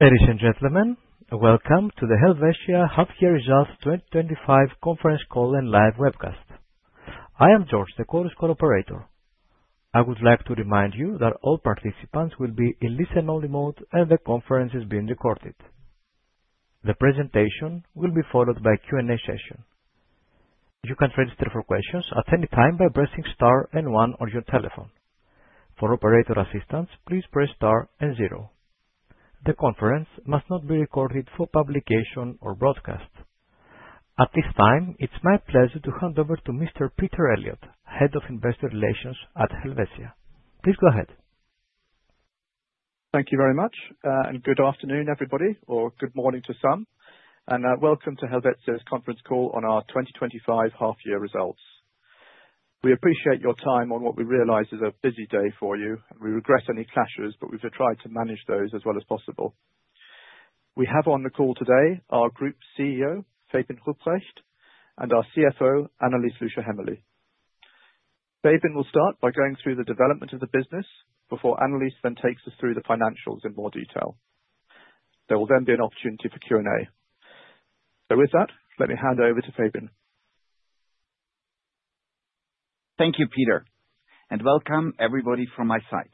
Ladies and gentlemen, welcome to the Helvetia Holding Half-Year Results 2025 Conference Call and Live Webcast. I am George, the call's operator. I would like to remind you that all participants will be in listen-only mode, and the conference is being recorded. The presentation will be followed by a Q&A session. You can register for questions at any time by pressing Star and 1 on your telephone. For operator assistance, please press Star and 0. The conference must not be recorded for publication or broadcast. At this time, it's my pleasure to hand over to Mr. Peter Eliot, Head of Investor Relations at Helvetia. Please go ahead. Thank you very much, and good afternoon, everybody, or good morning to some, and welcome to Helvetia's conference call on our 2025 half-year results. We appreciate your time on what we realize is a busy day for you, and we regret any clashes, but we've tried to manage those as well as possible. We have on the call today our Group CEO, Fabian Rupprecht, and our CFO, Annelis Lüscher Hämmerli. Fabian will start by going through the development of the business, before Annelis then takes us through the financials in more detail. There will then be an opportunity for Q&A, so with that, let me hand over to Fabian. Thank you, Peter, and welcome, everybody, from my side.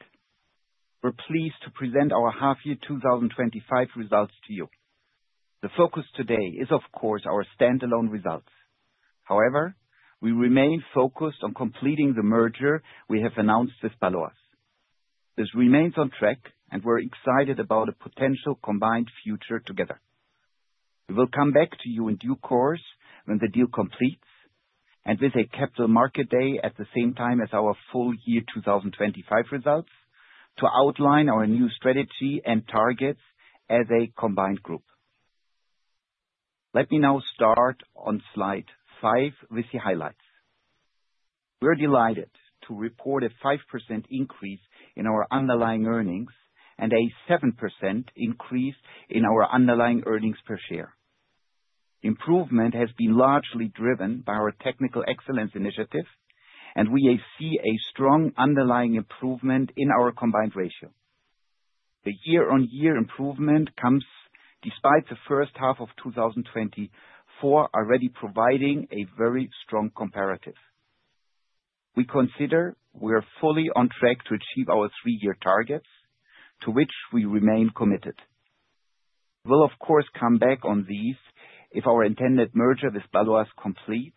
We're pleased to present our half-year 2025 results to you. The focus today is, of course, our standalone results. However, we remain focused on completing the merger we have announced with Baloise Group. This remains on track, and we're excited about a potential combined future together. We will come back to you in due course when the deal completes, and visit Capital Markets Day at the same time as our full-year 2025 results to outline our new strategy and targets as a combined group. Let me now start on slide 5 with the highlights. We're delighted to report a 5% increase in our underlying earnings and a 7% increase in our underlying earnings per share. Improvement has been largely driven by our Technical Excellence initiative, and we see a strong underlying improvement in our combined ratio. The year-on-year improvement comes despite the first half of 2024 already providing a very strong comparative. We consider we're fully on track to achieve our three-year targets, to which we remain committed. We'll, of course, come back on these if our intended merger with Baloise completes,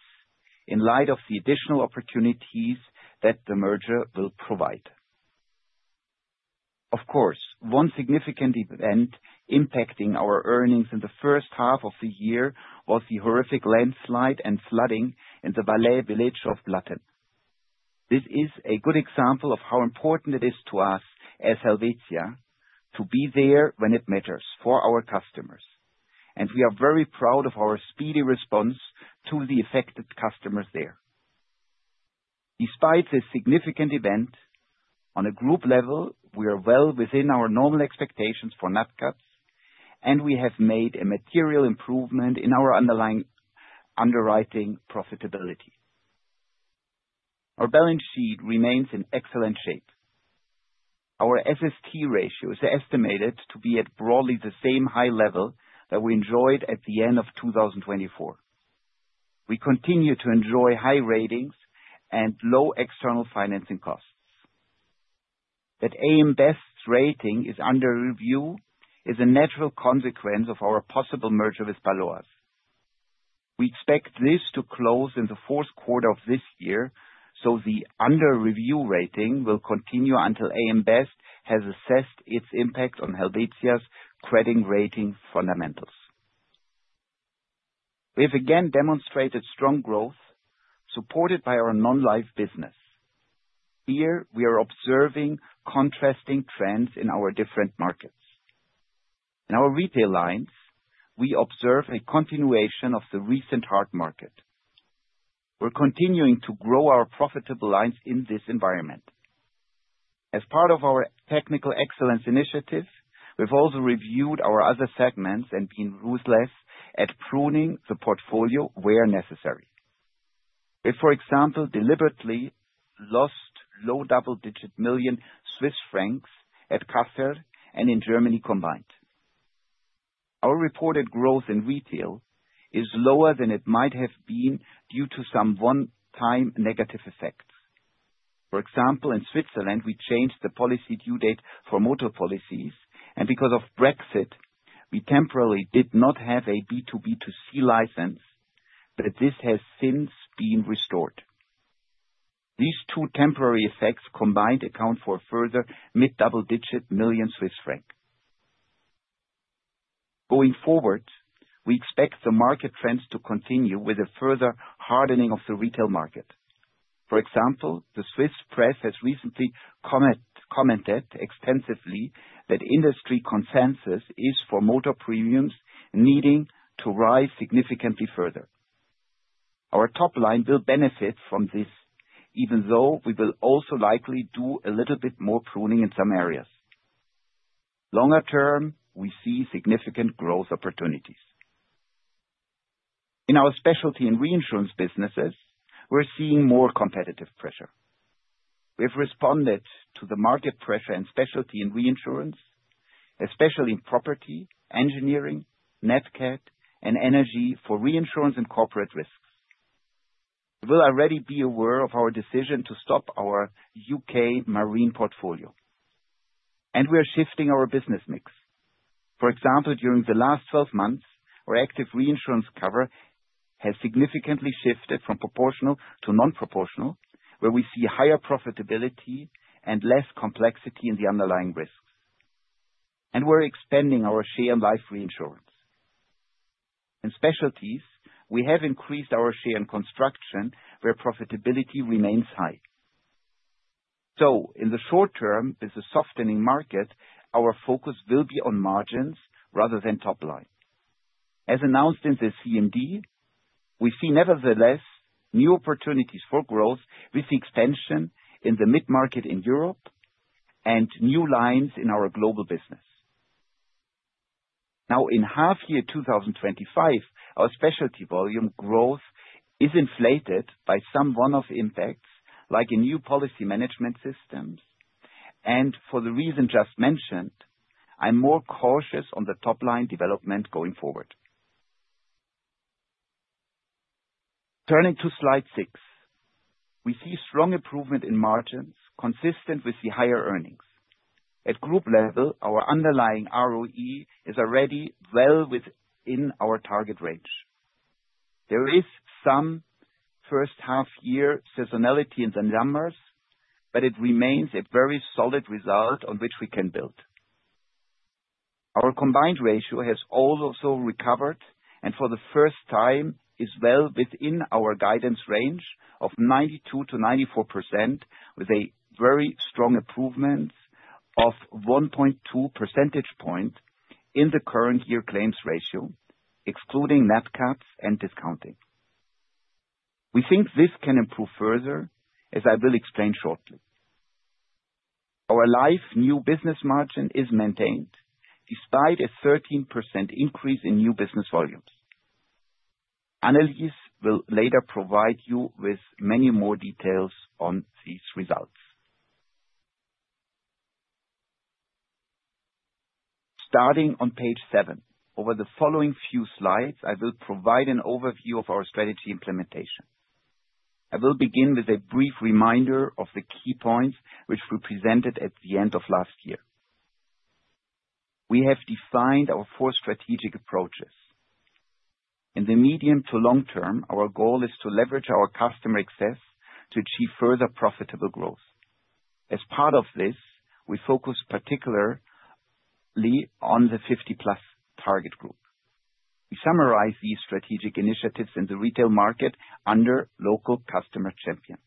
in light of the additional opportunities that the merger will provide. Of course, one significant event impacting our earnings in the first half of the year was the horrific landslide and flooding in the Valais village of Blatten. This is a good example of how important it is to us as Helvetia to be there when it matters for our customers, and we are very proud of our speedy response to the affected customers there. Despite this significant event, on a group level, we are well within our normal expectations for NatCats, and we have made a material improvement in our underwriting profitability. Our balance sheet remains in excellent shape. Our SST ratio is estimated to be at broadly the same high level that we enjoyed at the end of 2024. We continue to enjoy high ratings and low external financing costs. That AM Best's rating is under review is a natural consequence of our possible merger with Baloise. We expect this to close in the fourth quarter of this year, so the under review rating will continue until AM Best has assessed its impact on Helvetia's credit rating fundamentals. We have again demonstrated strong growth, supported by our non-life business. Here, we are observing contrasting trends in our different markets. In our retail lines, we observe a continuation of the recent hard market. We're continuing to grow our profitable lines in this environment. As part of our Technical Excellence initiative, we've also reviewed our other segments and been ruthless at pruning the portfolio where necessary. We, for example, deliberately lost low double-digit million CHF at Kaufmann and in Germany combined. Our reported growth in retail is lower than it might have been due to some one-time negative effects. For example, in Switzerland, we changed the policy due date for motor policies, and because of Brexit, we temporarily did not have a B2B2C license, but this has since been restored. These two temporary effects combined account for a further mid-double-digit million CHF. Going forward, we expect the market trends to continue with a further hardening of the retail market. For example, the Swiss press has recently commented extensively that industry consensus is for motor premiums needing to rise significantly further. Our top line will benefit from this, even though we will also likely do a little bit more pruning in some areas. Longer term, we see significant growth opportunities. In our specialty and reinsurance businesses, we're seeing more competitive pressure. We've responded to the market pressure and specialty and reinsurance, especially in property, engineering, NatCat, and energy for reinsurance and corporate risks. You'll already be aware of our decision to stop our U.K. marine portfolio, and we're shifting our business mix. For example, during the last 12 months, our active reinsurance cover has significantly shifted from proportional to non-proportional, where we see higher profitability and less complexity in the underlying risks, and we're expanding our share in life reinsurance. In specialties, we have increased our share in construction, where profitability remains high. In the short term, with the softening market, our focus will be on margins rather than top line. As announced in the CMD, we see nevertheless new opportunities for growth with the extension in the mid-market in Europe and new lines in our global business. Now, in half-year 2025, our specialty volume growth is inflated by some one-off impacts, like in new policy management systems, and for the reason just mentioned, I'm more cautious on the top line development going forward. Turning to slide six, we see strong improvement in margins consistent with the higher earnings. At group level, our underlying ROE is already well within our target range. There is some first half-year seasonality in the numbers, but it remains a very solid result on which we can build. Our combined ratio has also recovered, and for the first time, is well within our guidance range of 92%-94%, with a very strong improvement of 1.2 percentage points in the current year claims ratio, excluding NatCats and discounting. We think this can improve further, as I will explain shortly. Our life new business margin is maintained, despite a 13% increase in new business volumes. Annelis will later provide you with many more details on these results. Starting on page 7, over the following few slides, I will provide an overview of our strategy implementation. I will begin with a brief reminder of the key points which we presented at the end of last year. We have defined our four strategic approaches. In the medium to long term, our goal is to leverage our customer access to achieve further profitable growth. As part of this, we focus particularly on the 50+ target group. We summarize these strategic initiatives in the retail market under local customer champion.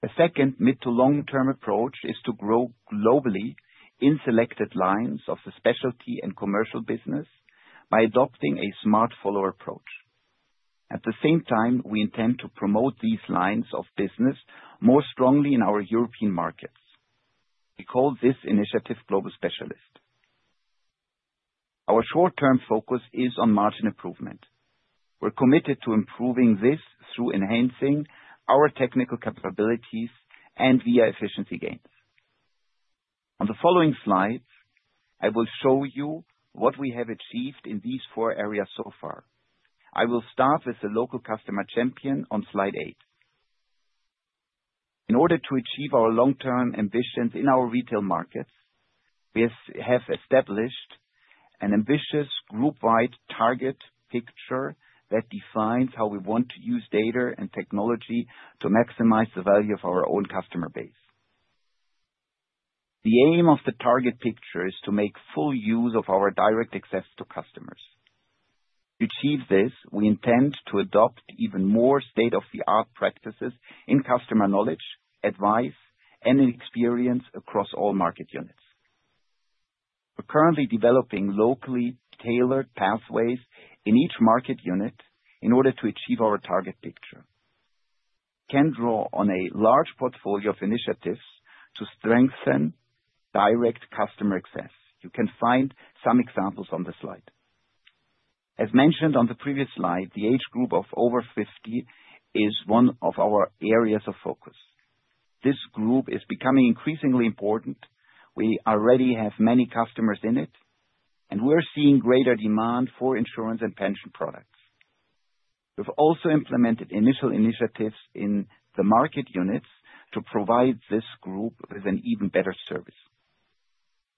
The second mid-to-long-term approach is to grow globally in selected lines of the specialty and commercial business by adopting a smart follower approach. At the same time, we intend to promote these lines of business more strongly in our European markets. We call this initiative Global Specialist. Our short-term focus is on margin improvement. We're committed to improving this through enhancing our technical capabilities and via efficiency gains. On the following slides, I will show you what we have achieved in these four areas so far. I will start with the local customer champion on slide 8. In order to achieve our long-term ambitions in our retail markets, we have established an ambitious group-wide target picture that defines how we want to use data and technology to maximize the value of our own customer base. The aim of the target picture is to make full use of our direct access to customers. To achieve this, we intend to adopt even more state-of-the-art practices in customer knowledge, advice, and experience across all market units. We're currently developing locally tailored pathways in each market unit in order to achieve our target picture. We can draw on a large portfolio of initiatives to strengthen direct customer access. You can find some examples on the slide. As mentioned on the previous slide, the age group of over 50 is one of our areas of focus. This group is becoming increasingly important. We already have many customers in it, and we're seeing greater demand for insurance and pension products. We've also implemented initial initiatives in the market units to provide this group with an even better service.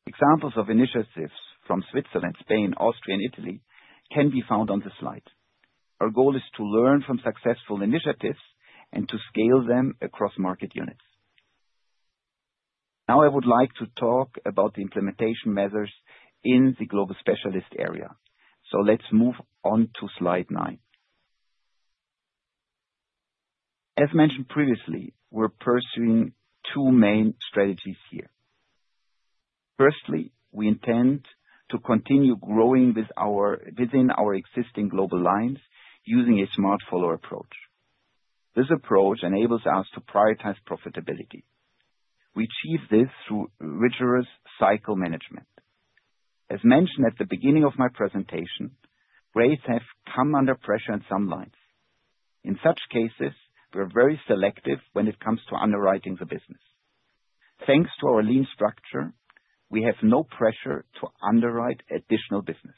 Examples of initiatives from Switzerland, Spain, Austria, and Italy can be found on the slide. Our goal is to learn from successful initiatives and to scale them across market units. Now, I would like to talk about the implementation measures in the Global Specialist area. So let's move on to slide nine. As mentioned previously, we're pursuing two main strategies here. Firstly, we intend to continue growing within our existing global lines using a smart follower approach. This approach enables us to prioritize profitability. We achieve this through rigorous cycle management. As mentioned at the beginning of my presentation, rates have come under pressure in some lines. In such cases, we're very selective when it comes to underwriting the business. Thanks to our lean structure, we have no pressure to underwrite additional business.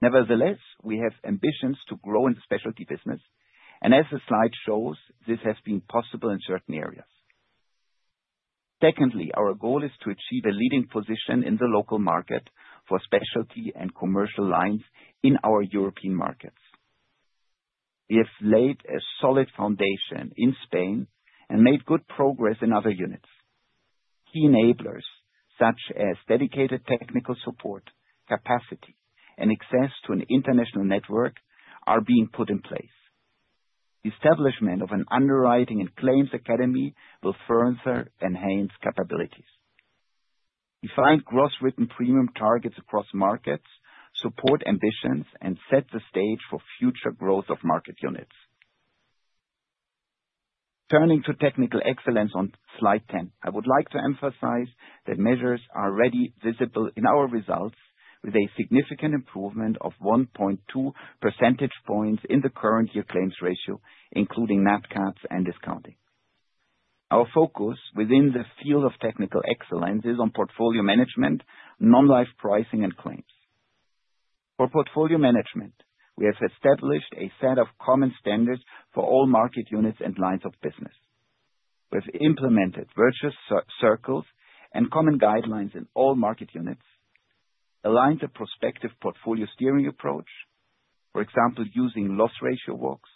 Nevertheless, we have ambitions to grow in the specialty business, and as the slide shows, this has been possible in certain areas. Secondly, our goal is to achieve a leading position in the local market for specialty and commercial lines in our European markets. We have laid a solid foundation in Spain and made good progress in other units. Key enablers, such as dedicated technical support, capacity, and access to an international network, are being put in place. The establishment of an underwriting and claims academy will further enhance capabilities. We find gross written premium targets across markets support ambitions and set the stage for future growth of market units. Turning to technical excellence on slide 10, I would like to emphasize that measures are already visible in our results with a significant improvement of 1.2 percentage points in the current year claims ratio, including NatCats and discounting. Our focus within the field of technical excellence is on portfolio management, non-life pricing, and claims. For portfolio management, we have established a set of common standards for all market units and lines of business. We have implemented virtuous circles and common guidelines in all market units, aligned the prospective portfolio steering approach, for example, using loss ratio walks,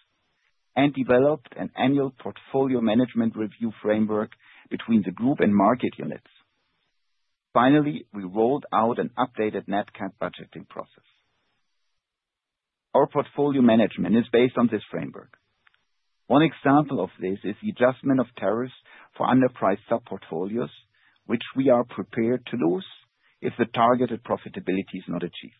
and developed an annual portfolio management review framework between the group and market units. Finally, we rolled out an updated NatCat budgeting process. Our portfolio management is based on this framework. One example of this is the adjustment of tariffs for underpriced sub-portfolios, which we are prepared to lose if the targeted profitability is not achieved.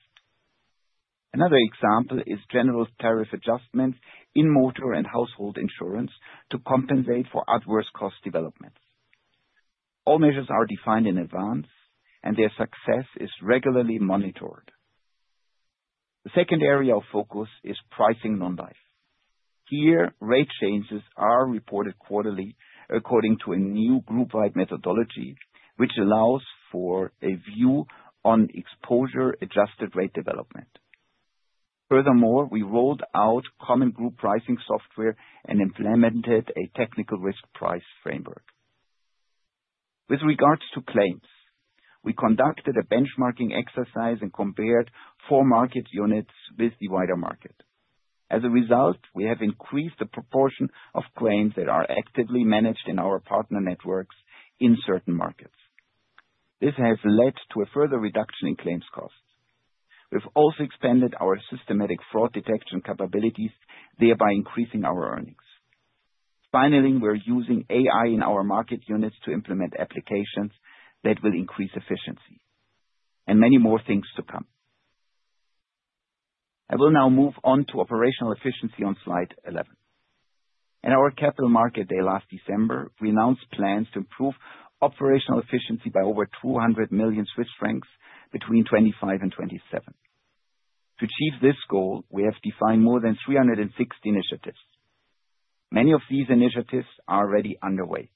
Another example is general tariff adjustments in motor and household insurance to compensate for adverse cost developments. All measures are defined in advance, and their success is regularly monitored. The second area of focus is pricing non-life. Here, rate changes are reported quarterly according to a new group-wide methodology, which allows for a view on exposure-adjusted rate development. Furthermore, we rolled out common group pricing software and implemented a technical risk price framework. With regards to claims, we conducted a benchmarking exercise and compared four market units with the wider market. As a result, we have increased the proportion of claims that are actively managed in our partner networks in certain markets. This has led to a further reduction in claims costs. We've also expanded our systematic fraud detection capabilities, thereby increasing our earnings. Finally, we're using AI in our market units to implement applications that will increase efficiency, and many more things to come. I will now move on to operational efficiency on slide 11. In our Capital Markets Day last December, we announced plans to improve operational efficiency by over 200 million Swiss francs between 2025 and 2027. To achieve this goal, we have defined more than 360 initiatives. Many of these initiatives are already underway.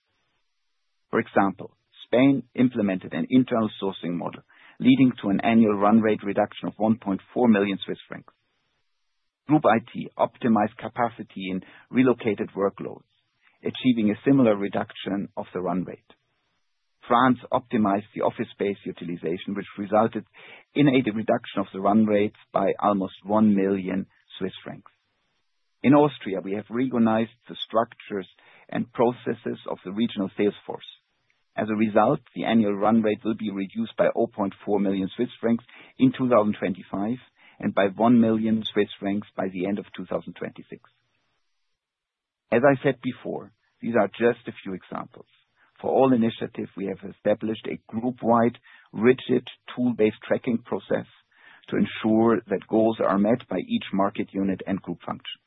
For example, Spain implemented an internal sourcing model, leading to an annual run rate reduction of 1.4 million Swiss francs. Group IT optimized capacity in relocated workloads, achieving a similar reduction of the run rate. France optimized the office space utilization, which resulted in a reduction of the run rates by almost 1 million Swiss francs. In Austria, we have reorganized the structures and processes of the regional sales force. As a result, the annual run rate will be reduced by 0.4 million Swiss francs in 2025 and by 1 million Swiss francs by the end of 2026. As I said before, these are just a few examples. For all initiatives, we have established a group-wide rigid tool-based tracking process to ensure that goals are met by each market unit and group function.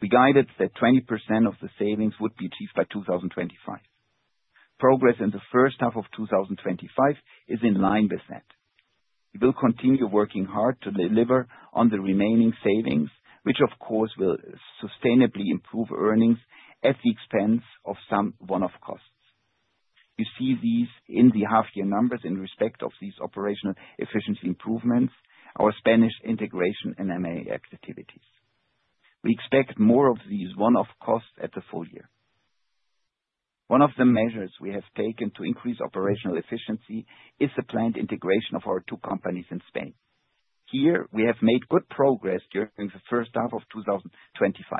We guided that 20% of the savings would be achieved by 2025. Progress in the first half of 2025 is in line with that. We will continue working hard to deliver on the remaining savings, which, of course, will sustainably improve earnings at the expense of some one-off costs. You see these in the half-year numbers in respect of these operational efficiency improvements, our Spanish integration, and M&A activities. We expect more of these one-off costs at the full year. One of the measures we have taken to increase operational efficiency is the planned integration of our two companies in Spain. Here, we have made good progress during the first half of 2025.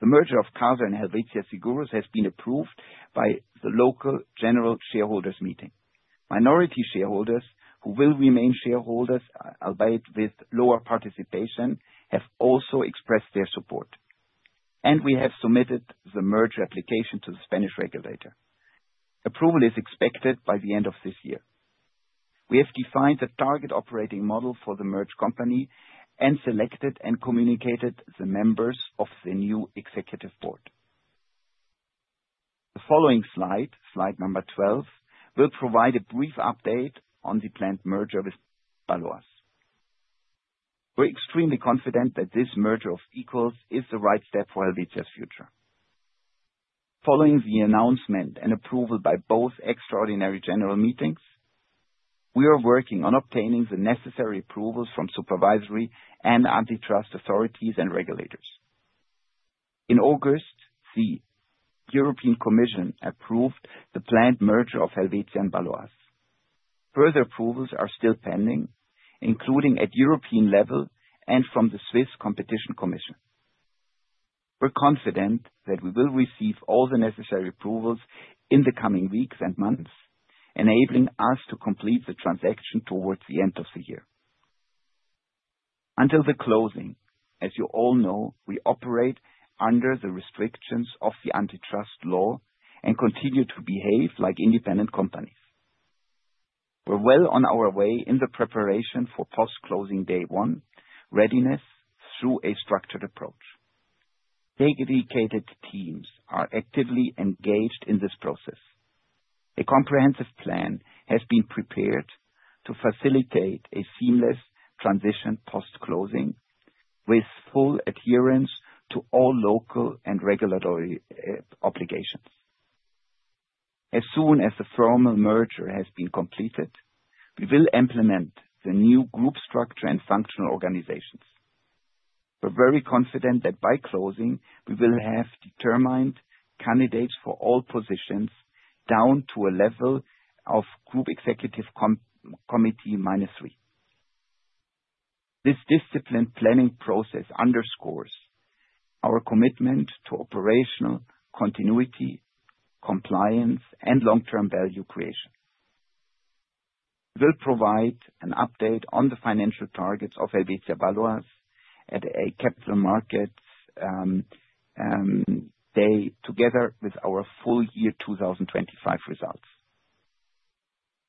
The merger of Caser and Helvetia Seguros has been approved by the local general shareholders' meeting. Minority shareholders, who will remain shareholders, albeit with lower participation, have also expressed their support. And we have submitted the merger application to the Spanish regulator. Approval is expected by the end of this year. We have defined the target operating model for the merged company and selected and communicated the members of the new executive board. The following slide, slide number 12, will provide a brief update on the planned merger with Baloise. We're extremely confident that this merger of equals is the right step for Helvetia's future. Following the announcement and approval by both extraordinary general meetings, we are working on obtaining the necessary approvals from supervisory and antitrust authorities and regulators. In August, the European Commission approved the planned merger of Helvetia and Baloise. Further approvals are still pending, including at European level and from the Swiss Competition Commission. We're confident that we will receive all the necessary approvals in the coming weeks and months, enabling us to complete the transaction towards the end of the year. Until the closing, as you all know, we operate under the restrictions of the antitrust law and continue to behave like independent companies. We're well on our way in the preparation for post-closing day one, readiness through a structured approach. Dedicated teams are actively engaged in this process. A comprehensive plan has been prepared to facilitate a seamless transition post-closing with full adherence to all local and regulatory obligations. As soon as the formal merger has been completed, we will implement the new group structure and functional organizations. We're very confident that by closing, we will have determined candidates for all positions down to a level of Group Executive Committee minus three. This disciplined planning process underscores our commitment to operational continuity, compliance, and long-term value creation. We'll provide an update on the financial targets of Helvetia Baloise at a Capital Markets Day together with our full year 2025 results.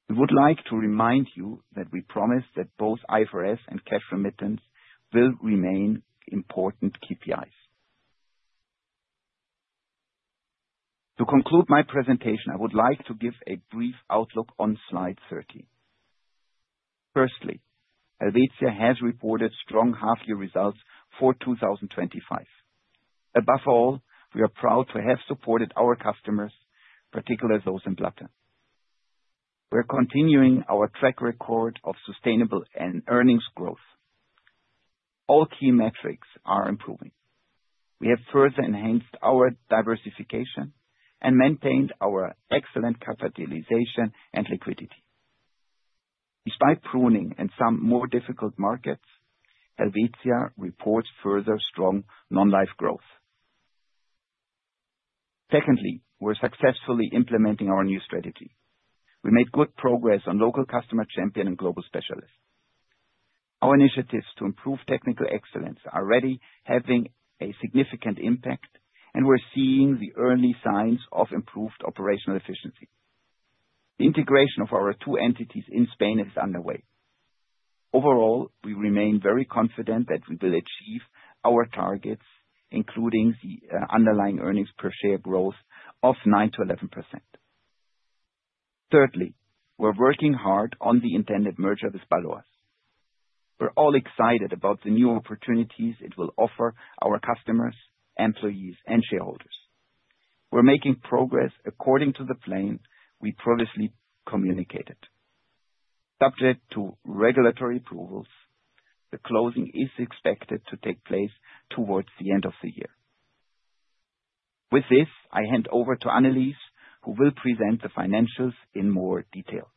We would like to remind you that we promised that both IFRS and cash remittance will remain important KPIs. To conclude my presentation, I would like to give a brief outlook on slide 30. Firstly, Helvetia has reported strong half-year results for 2025. Above all, we are proud to have supported our customers, particularly those in Blatten. We're continuing our track record of sustainable earnings growth. All key metrics are improving. We have further enhanced our diversification and maintained our excellent capitalization and liquidity. Despite pruning in some more difficult markets, Helvetia reports further strong non-life growth. Secondly, we're successfully implementing our new strategy. We made good progress on local customer champion and global specialist. Our initiatives to improve technical excellence are already having a significant impact, and we're seeing the early signs of improved operational efficiency. The integration of our two entities in Spain is underway. Overall, we remain very confident that we will achieve our targets, including the underlying earnings per share growth of 9%-11%. Thirdly, we're working hard on the intended merger with Baloise. We're all excited about the new opportunities it will offer our customers, employees, and shareholders. We're making progress according to the plan we previously communicated. Subject to regulatory approvals, the closing is expected to take place towards the end of the year. With this, I hand over to Annelis, who will present the financials in more detail.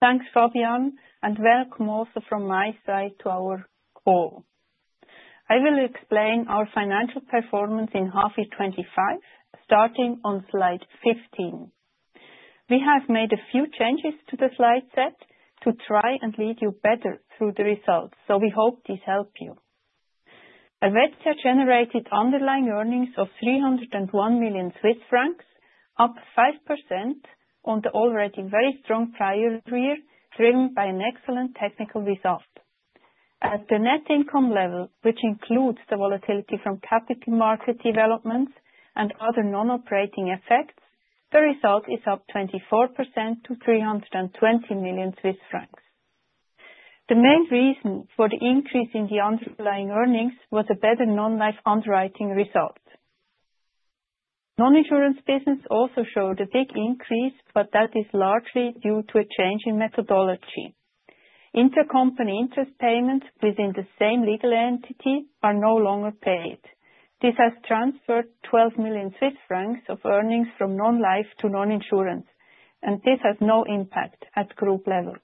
Thanks, Fabian, and welcome also from my side to our call. I will explain our financial performance in half-year 2025, starting on slide 15. We have made a few changes to the slide set to try and lead you better through the results, so we hope these help you. Helvetia generated underlying earnings of 301 million Swiss francs, up 5% on the already very strong prior year, driven by an excellent technical result. At the net income level, which includes the volatility from capital market developments and other non-operating effects, the result is up 24% to 320 million Swiss francs. The main reason for the increase in the underlying earnings was a better non-life underwriting result. Non-insurance business also showed a big increase, but that is largely due to a change in methodology. Intercompany interest payments within the same legal entity are no longer paid. This has transferred 12 million Swiss francs of earnings from non-life to non-insurance, and this has no impact at group level.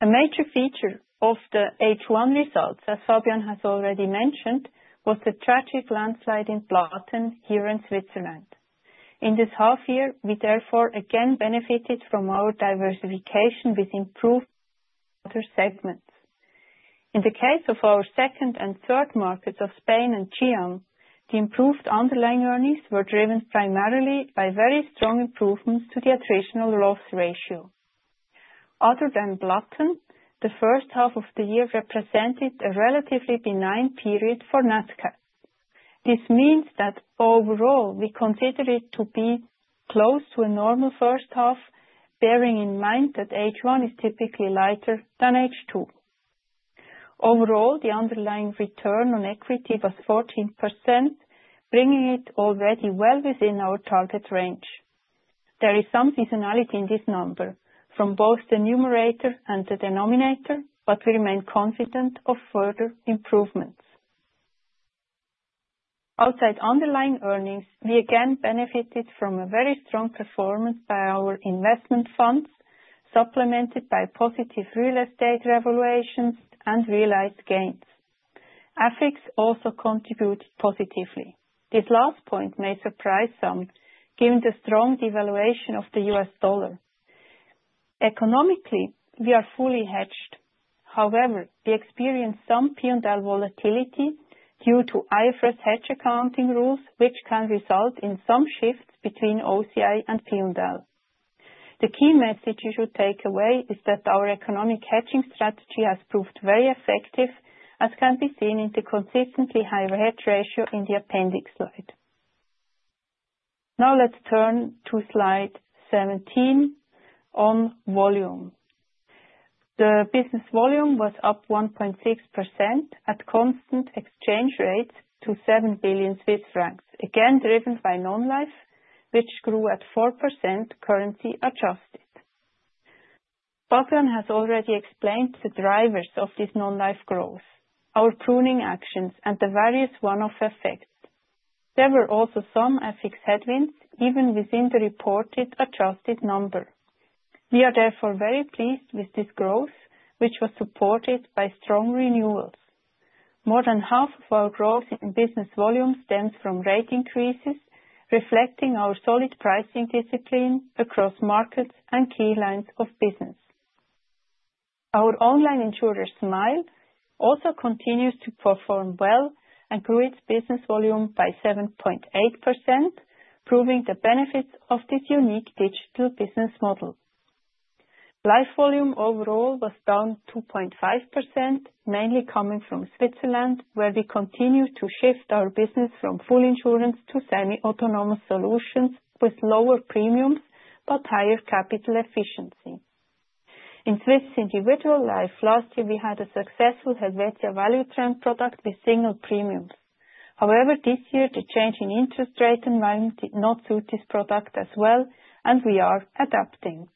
A major feature of the H1 results, as Fabian has already mentioned, was the tragic landslide in Blatten here in Switzerland. In this half-year, we therefore again benefited from our diversification with improved weather segments. In the case of our second and third markets of Spain and Germany, the improved underlying earnings were driven primarily by very strong improvements to the attritional loss ratio. Other than Blatten, the first half of the year represented a relatively benign period for NatCat. This means that overall, we consider it to be close to a normal first half, bearing in mind that H1 is typically lighter than H2. Overall, the underlying return on equity was 14%, bringing it already well within our target range. There is some seasonality in this number from both the numerator and the denominator, but we remain confident of further improvements. Outside underlying earnings, we again benefited from a very strong performance by our investment funds, supplemented by positive real estate revaluations and realized gains. FX also contributed positively. This last point may surprise some, given the strong devaluation of the U.S. dollar. Economically, we are fully hedged. However, we experienced some P&L volatility due to IFRS hedge accounting rules, which can result in some shifts between OCI and P&L. The key message you should take away is that our economic hedging strategy has proved very effective, as can be seen in the consistently higher hedge ratio in the appendix slide. Now let's turn to slide 17 on volume. The business volume was up 1.6% at constant exchange rates to 7 billion Swiss francs, again driven by non-life, which grew at 4% currency adjusted. Fabian has already explained the drivers of this non-life growth, our pruning actions, and the various one-off effects. There were also some FX headwinds even within the reported adjusted number. We are therefore very pleased with this growth, which was supported by strong renewals. More than half of our growth in business volume stems from rate increases, reflecting our solid pricing discipline across markets and key lines of business. Our online insurer, Smile, also continues to perform well and grew its business volume by 7.8%, proving the benefits of this unique digital business model. Life volume overall was down 2.5%, mainly coming from Switzerland, where we continue to shift our business from full insurance to semi-autonomous solutions with lower premiums but higher capital efficiency. In Swiss individual life, last year we had a successful Helvetia Value Trend product with single premiums. However, this year the change in interest rate environment did not suit this product as well, and we are adapting.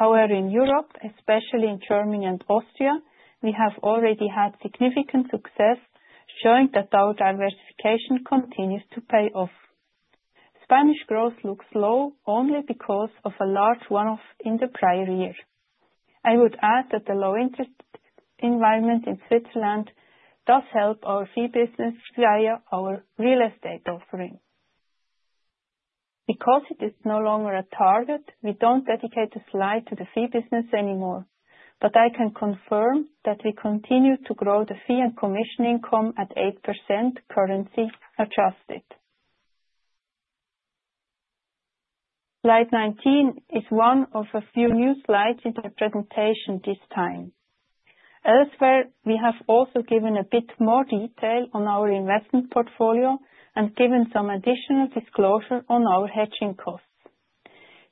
However, in Europe, especially in Germany and Austria, we have already had significant success showing that our diversification continues to pay off. Spanish growth looks low only because of a large one-off in the prior year. I would add that the low interest environment in Switzerland does help our fee business via our real estate offering. Because it is no longer a target, we don't dedicate a slide to the fee business anymore, but I can confirm that we continue to grow the fee and commission income at 8% currency adjusted. Slide 19 is one of a few new slides in the presentation this time. Elsewhere, we have also given a bit more detail on our investment portfolio and given some additional disclosure on our hedging costs.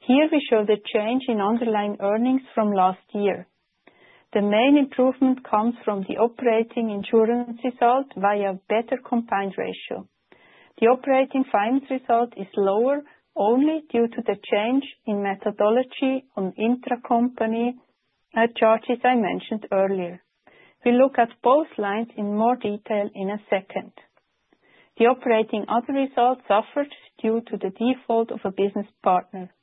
Here we show the change in underlying earnings from last year. The main improvement comes from the operating insurance result via better combined ratio. The operating finance result is lower only due to the change in methodology on intracompany charges I mentioned earlier. We'll look at both lines in more detail in a second. The operating other result suffered due to the default of a business partner.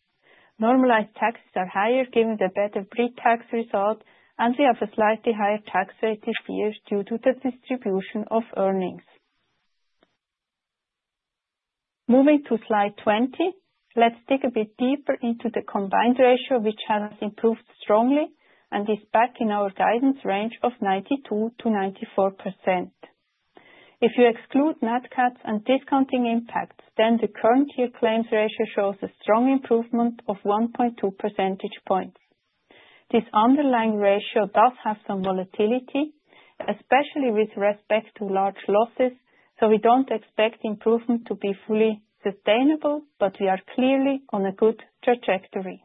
Normalized taxes are higher given the better pre-tax result, and we have a slightly higher tax rate this year due to the distribution of earnings. Moving to slide 20, let's dig a bit deeper into the combined ratio, which has improved strongly and is back in our guidance range of 92%-94%. If you exclude NatCat and discounting impacts, then the current year claims ratio shows a strong improvement of 1.2 percentage points. This underlying ratio does have some volatility, especially with respect to large losses, so we don't expect improvement to be fully sustainable, but we are clearly on a good trajectory.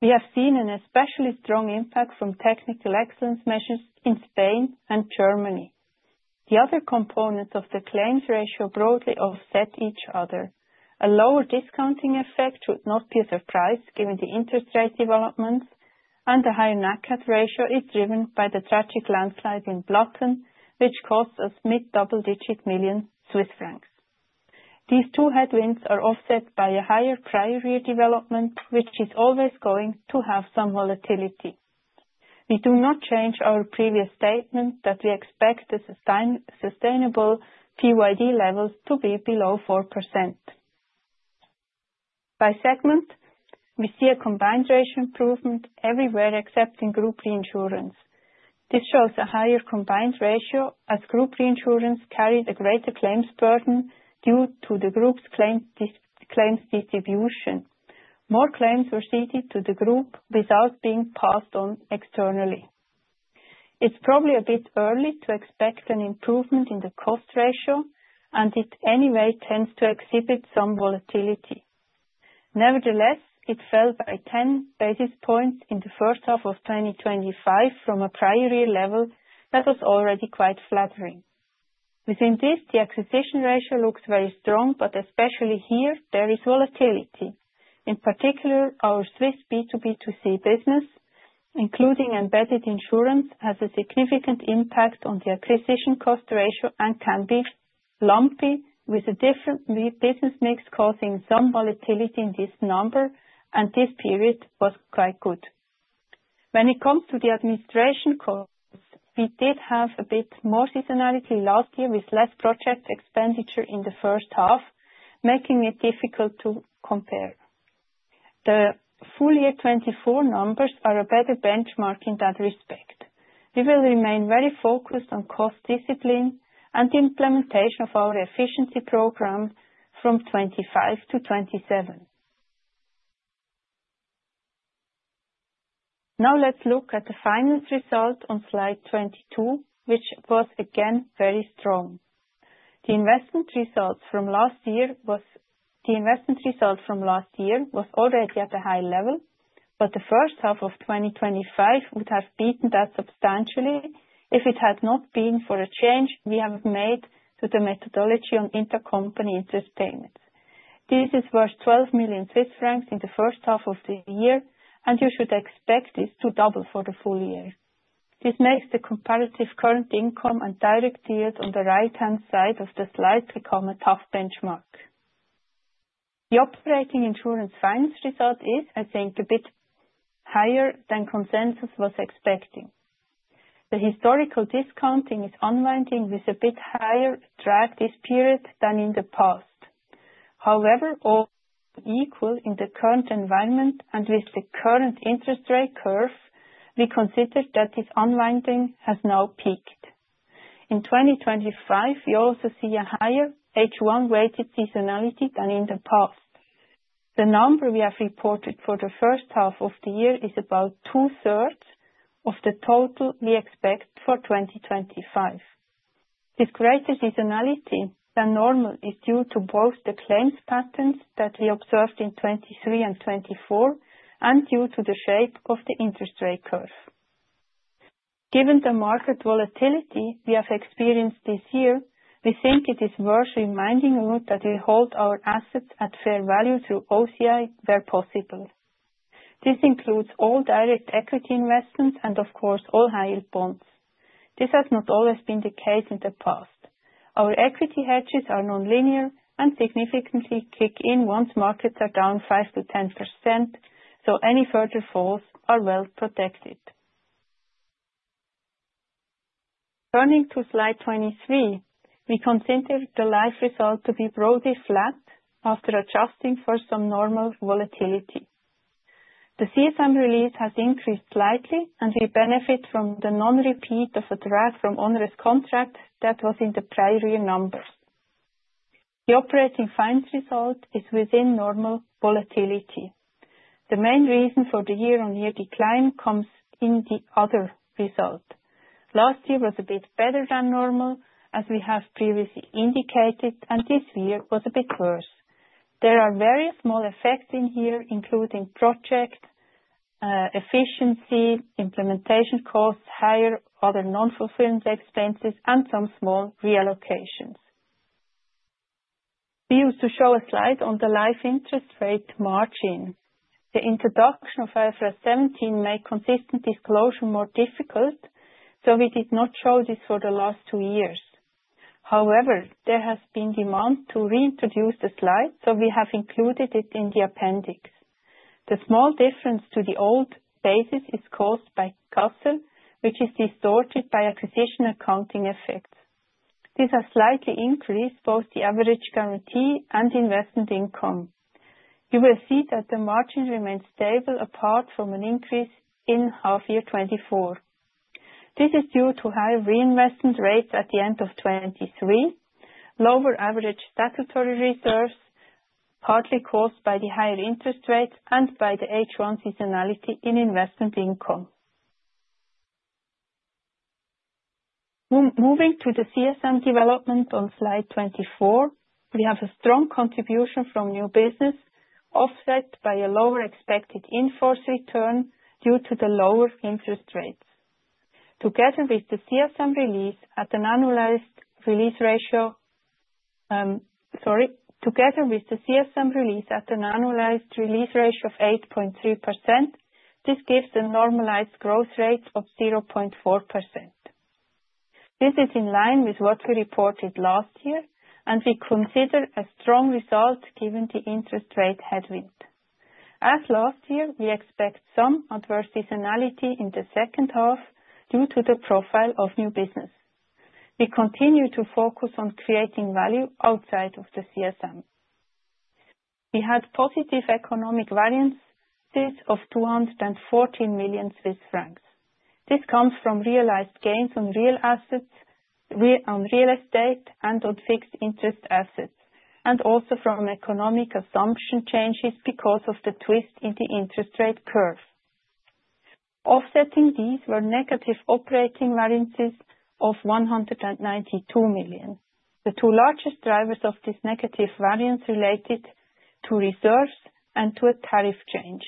We have seen an especially strong impact from technical excellence measures in Spain and Germany. The other components of the claims ratio broadly offset each other. A lower discounting effect should not be a surprise given the interest rate developments, and the higher NatCat ratio is driven by the tragic landslide in Blatten, which costs us mid-double-digit million CHF. These two headwinds are offset by a higher prior year development, which is always going to have some volatility. We do not change our previous statement that we expect the sustainable PYD levels to be below 4%. By segment, we see a combined ratio improvement everywhere except in group reinsurance. This shows a higher combined ratio as group reinsurance carried a greater claims burden due to the group's claims distribution. More claims were ceded to the group without being passed on externally. It's probably a bit early to expect an improvement in the cost ratio, and it anyway tends to exhibit some volatility. Nevertheless, it fell by 10 basis points in the first half of 2025 from a prior year level that was already quite flattering. Within this, the acquisition ratio looks very strong, but especially here, there is volatility. In particular, our Swiss B2B2C business, including embedded insurance, has a significant impact on the acquisition cost ratio and can be lumpy with a different business mix causing some volatility in this number, and this period was quite good. When it comes to the administration costs, we did have a bit more seasonality last year with less project expenditure in the first half, making it difficult to compare. The full year 2024 numbers are a better benchmark in that respect. We will remain very focused on cost discipline and the implementation of our efficiency program from 2025 to 2027. Now let's look at the finance result on slide 22, which was again very strong. The investment result from last year was already at a high level, but the first half of 2025 would have beaten that substantially if it had not been for a change we have made to the methodology on intercompany interest payments. This is worth 12 million Swiss francs in the first half of the year, and you should expect this to double for the full year. This makes the comparative current income and direct yield on the right-hand side of the slightly tough benchmark. The operating insurance finance result is, I think, a bit higher than consensus was expecting. The historical discounting is unwinding with a bit higher drag this period than in the past. However, all else equal in the current environment and with the current interest rate curve, we consider that this unwinding has now peaked. In 2025, we also see a higher H1-weighted seasonality than in the past. The number we have reported for the first half of the year is about two-thirds of the total we expect for 2025. This greater seasonality than normal is due to both the claims patterns that we observed in 2023 and 2024 and due to the shape of the interest rate curve. Given the market volatility we have experienced this year, we think it is worth reminding you that we hold our assets at fair value through OCI where possible. This includes all direct equity investments and, of course, all high-yield bonds. This has not always been the case in the past. Our equity hedges are non-linear and significantly kick in once markets are down 5%-10%, so any further falls are well protected. Turning to slide 23, we consider the life result to be broadly flat after adjusting for some normal volatility. The CSM release has increased slightly, and we benefit from the non-repeat of a drag from onerous contract that was in the prior year numbers. The operating finance result is within normal volatility. The main reason for the year-on-year decline comes in the other result. Last year was a bit better than normal, as we have previously indicated, and this year was a bit worse. There are various small effects in here, including project efficiency, implementation costs, higher other non-fulfillment expenses, and some small reallocations. We used to show a slide on the life interest rate margin. The introduction of IFRS 17 made consistent disclosure more difficult, so we did not show this for the last two years. However, there has been demand to reintroduce the slide, so we have included it in the appendix. The small difference to the old basis is caused by CSM, which is distorted by acquisition accounting effects. This has slightly increased both the average guarantee and investment income. You will see that the margin remains stable apart from an increase in half-year 2024. This is due to higher reinvestment rates at the end of 2023, lower average statutory reserves, partly caused by the higher interest rate and by the H1 seasonality in investment income. Moving to the CSM development on slide 24, we have a strong contribution from new business offset by a lower expected inforce return due to the lower interest rates. Together with the CSM release at an annualized release ratio, sorry, together with the CSM release at an annualized release ratio of 8.3%, this gives a normalized growth rate of 0.4%. This is in line with what we reported last year, and we consider a strong result given the interest rate headwind. As last year, we expect some adverse seasonality in the second half due to the profile of new business. We continue to focus on creating value outside of the CSM. We had positive economic variances of 214 million Swiss francs. This comes from realized gains on real assets, on real estate, and on fixed interest assets, and also from economic assumption changes because of the twist in the interest rate curve. Offsetting these were negative operating variances of 192 million CHF. The two largest drivers of this negative variance related to reserves and to a tariff change.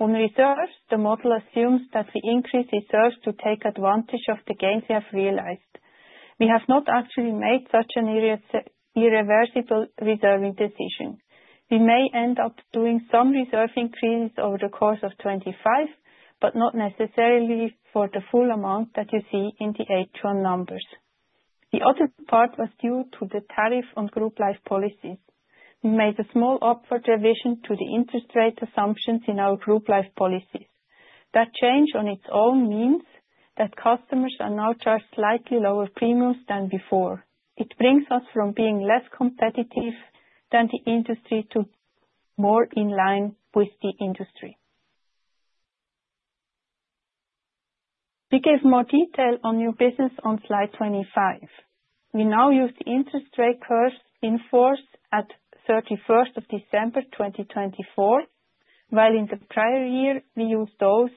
On reserves, the model assumes that we increase reserves to take advantage of the gains we have realized. We have not actually made such an irreversible reserving decision. We may end up doing some reserve increases over the course of 2025, but not necessarily for the full amount that you see in the H1 numbers. The other part was due to the tariff on group life policies. We made a small upward revision to the interest rate assumptions in our group life policies. That change on its own means that customers are now charged slightly lower premiums than before. It brings us from being less competitive than the industry to more in line with the industry. We gave more detail on new business on slide 25. We now use the interest rate curves in force at 31st of December 2024, while in the prior year we used those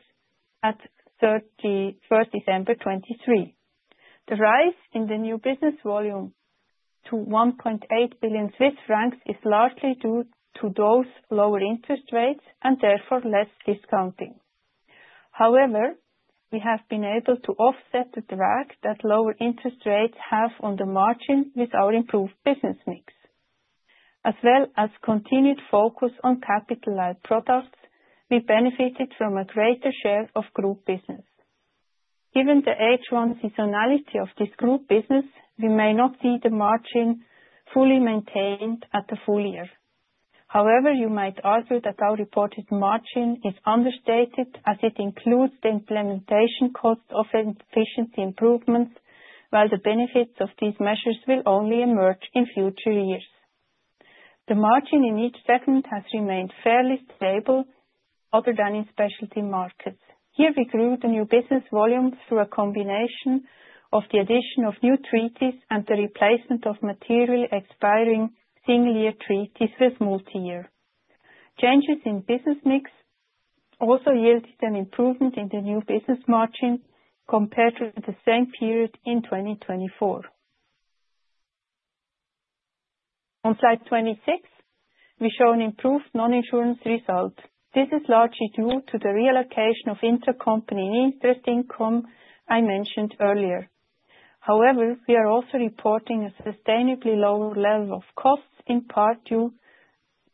at 31st December 2023. The rise in the new business volume to 1.8 billion Swiss francs is largely due to those lower interest rates and therefore less discounting. However, we have been able to offset the drag that lower interest rates have on the margin with our improved business mix. As well as continued focus on capital-like products, we benefited from a greater share of group business. Given the H1 seasonality of this group business, we may not see the margin fully maintained at the full year. However, you might argue that our reported margin is understated as it includes the implementation cost of efficiency improvements, while the benefits of these measures will only emerge in future years. The margin in each segment has remained fairly stable other than in specialty markets. Here we grew the new business volume through a combination of the addition of new treaties and the replacement of materially expiring single-year treaties with multi-year. Changes in business mix also yielded an improvement in the new business margin compared to the same period in 2024. On slide 26, we show an improved non-insurance result. This is largely due to the reallocation of intercompany interest income I mentioned earlier. However, we are also reporting a sustainably lower level of costs in part due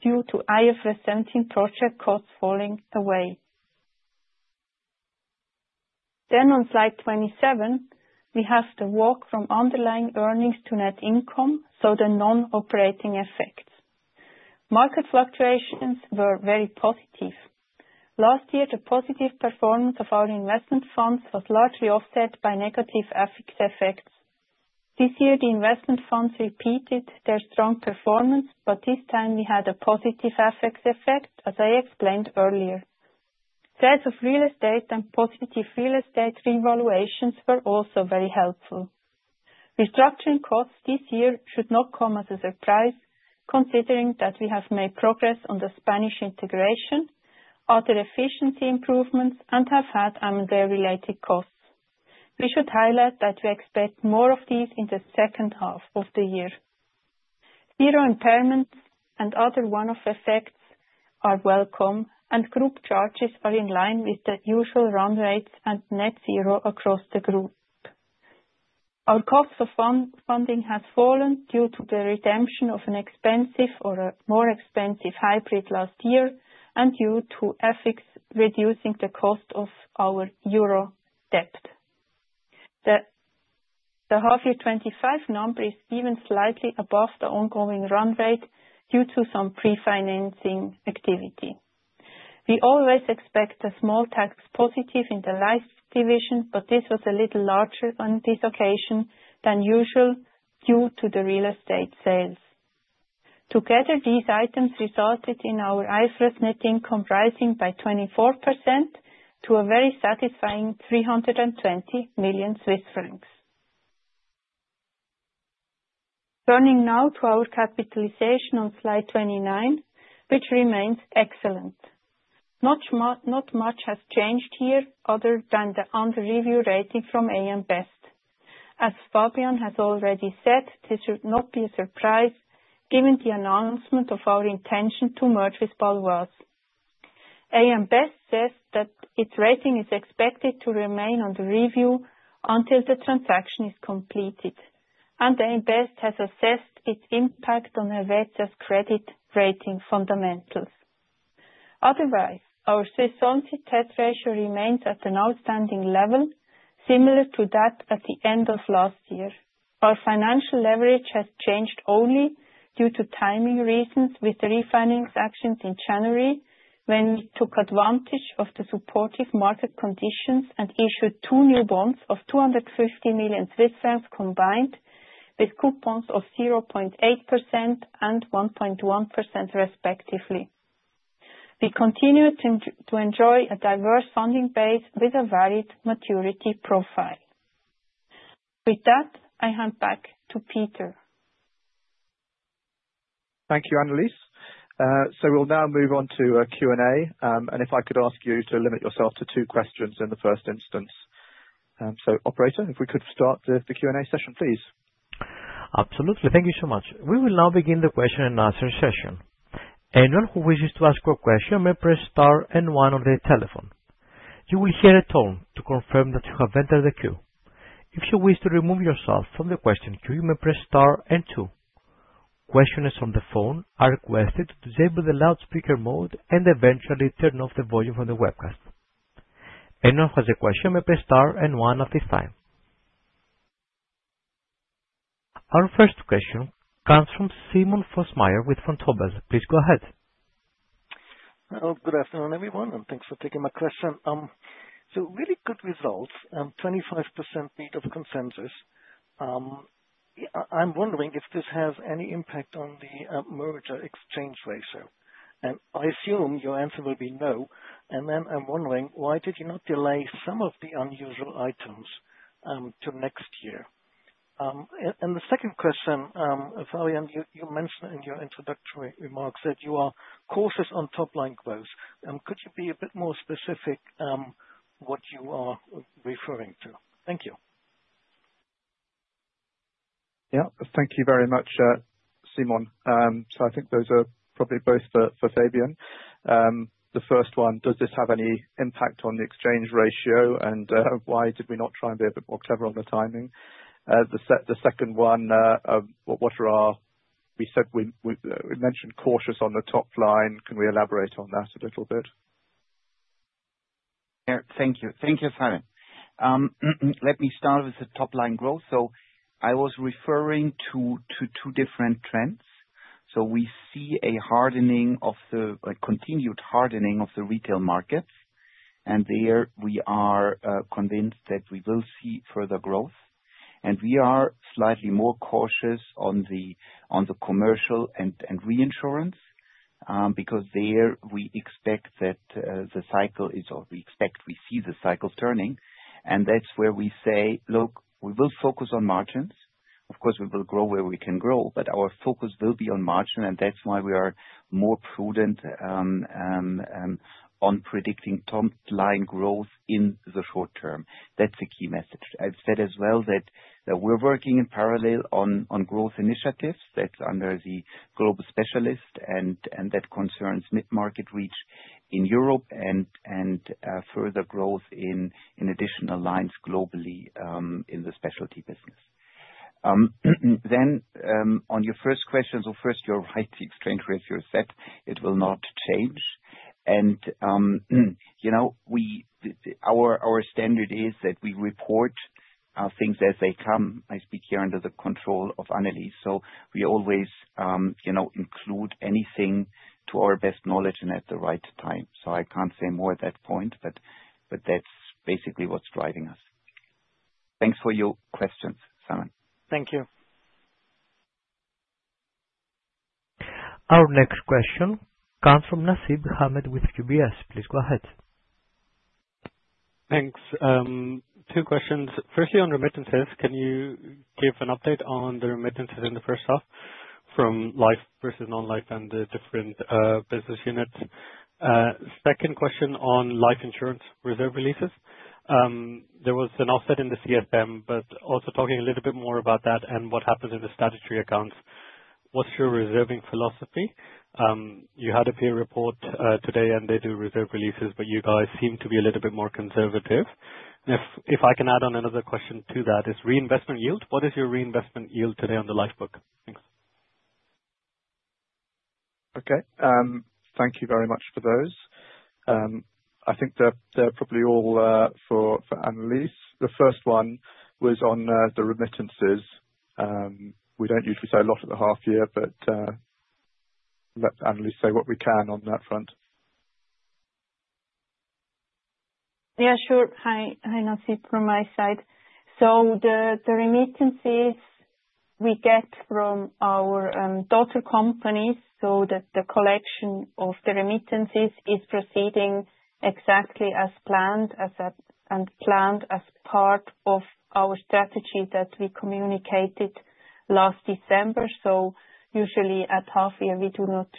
to IFRS 17 project costs falling away. Then on slide 27, we have the walk from underlying earnings to net income, so the non-operating effects. Market fluctuations were very positive. Last year, the positive performance of our investment funds was largely offset by negative FX effects. This year, the investment funds repeated their strong performance, but this time we had a positive FX effect, as I explained earlier. Sales of real estate and positive real estate revaluations were also very helpful. Restructuring costs this year should not come as a surprise, considering that we have made progress on the Spanish integration, other efficiency improvements, and have had M&A-related costs. We should highlight that we expect more of these in the second half of the year. Zero impairments and other one-off effects are welcome, and group charges are in line with the usual run rates and net zero across the group. Our cost of funding has fallen due to the redemption of an expensive or a more expensive hybrid last year and due to FX reducing the cost of our euro debt. The half-year 2025 number is even slightly above the ongoing run rate due to some pre-financing activity. We always expect a small tax positive in the life division, but this was a little larger on this occasion than usual due to the real estate sales. Together, these items resulted in our IFRS net income rising by 24% to a very satisfying 320 million Swiss francs. Turning now to our capitalization on slide 29, which remains excellent. Not much has changed here other than the under-review rating from AM Best. As Fabian has already said, this should not be a surprise given the announcement of our intention to merge with Baloise. AM Best says that its rating is expected to remain under-review until the transaction is completed, and AM Best has assessed its impact on Helvetia's credit rating fundamentals. Otherwise, our Swiss Solvency Test ratio remains at an outstanding level, similar to that at the end of last year. Our financial leverage has changed only due to timing reasons with the refinance actions in January when we took advantage of the supportive market conditions and issued two new bonds of 250 million Swiss francs combined with coupons of 0.8% and 1.1% respectively. We continue to enjoy a diverse funding base with a valid maturity profile. With that, I hand back to Peter. Thank you, Annelis. So we'll now move on to a Q&A, and if I could ask you to limit yourself to two questions in the first instance. So, Operator, if we could start the Q&A session, please. Absolutely. Thank you so much. We will now begin the question and answer session. Anyone who wishes to ask a question may press star and one on their telephone. You will hear a tone to confirm that you have entered the queue. If you wish to remove yourself from the question queue, you may press star and two. Questioners on the phone are requested to disable the loudspeaker mode and eventually turn off the volume from the webcast. Anyone who has a question may press star and one at this time. Our first question comes from Simon Fössmeier with Vontobel. Please go ahead. Hello, good afternoon, everyone, and thanks for taking my question. So, really good results, 25% beat of consensus. I'm wondering if this has any impact on the merger exchange ratio. And I assume your answer will be no. And then I'm wondering, why did you not delay some of the unusual items to next year? And the second question, Fabian, you mentioned in your introductory remarks that you are cautious on top-line growth. Could you be a bit more specific what you are referring to? Thank you. Yeah, thank you very much, Simon. So I think those are probably both for Fabian. The first one, does this have any impact on the exchange ratio and why did we not try and be a bit more clever on the timing? The second one, what are our—we said we mentioned cautious on the top line. Can we elaborate on that a little bit? Thank you. Thank you, Fabian. Let me start with the top-line growth. So I was referring to two different trends. So we see a hardening of the continued hardening of the retail markets. And there we are convinced that we will see further growth. And we are slightly more cautious on the commercial and reinsurance because there we expect that the cycle is—or we expect we see the cycle turning. That's where we say, look, we will focus on margins. Of course, we will grow where we can grow, but our focus will be on margin, and that's why we are more prudent on predicting top-line growth in the short term. That's a key message. I've said as well that we're working in parallel on growth initiatives that's under the Global Specialty, and that concerns mid-market reinsurance in Europe and further growth in additional lines globally in the specialty business. Then on your first question, so first, the rights exchange ratio is set. It will not change. And our standard is that we report things as they come. I speak here under the control of Annelis. So we always include anything to our best knowledge and at the right time. So I can't say more at that point, but that's basically what's driving us. Thanks for your questions, Simon. Thank you. Our next question comes from Nasib Ahmed with UBS. Please go ahead. Thanks. Two questions. Firstly, on remittances, can you give an update on the remittances in the first half from life versus non-life and the different business units? Second question on life insurance reserve releases. There was an offset in the CSM, but also talking a little bit more about that and what happens in the statutory accounts. What's your reserving philosophy? You had a peer report today, and they do reserve releases, but you guys seem to be a little bit more conservative. If I can add on another question to that, is reinvestment yield? What is your reinvestment yield today on the life book? Thanks. Okay. Thank you very much for those. I think they're probably all for Annelis. The first one was on the remittances. We don't usually say a lot at the half-year, but let Annelis say what we can on that front. Yeah, sure. Hi, Nasib, from my side. So the remittances we get from our daughter companies, so the collection of the remittances is proceeding exactly as planned and planned as part of our strategy that we communicated last December. So usually at half-year, we do not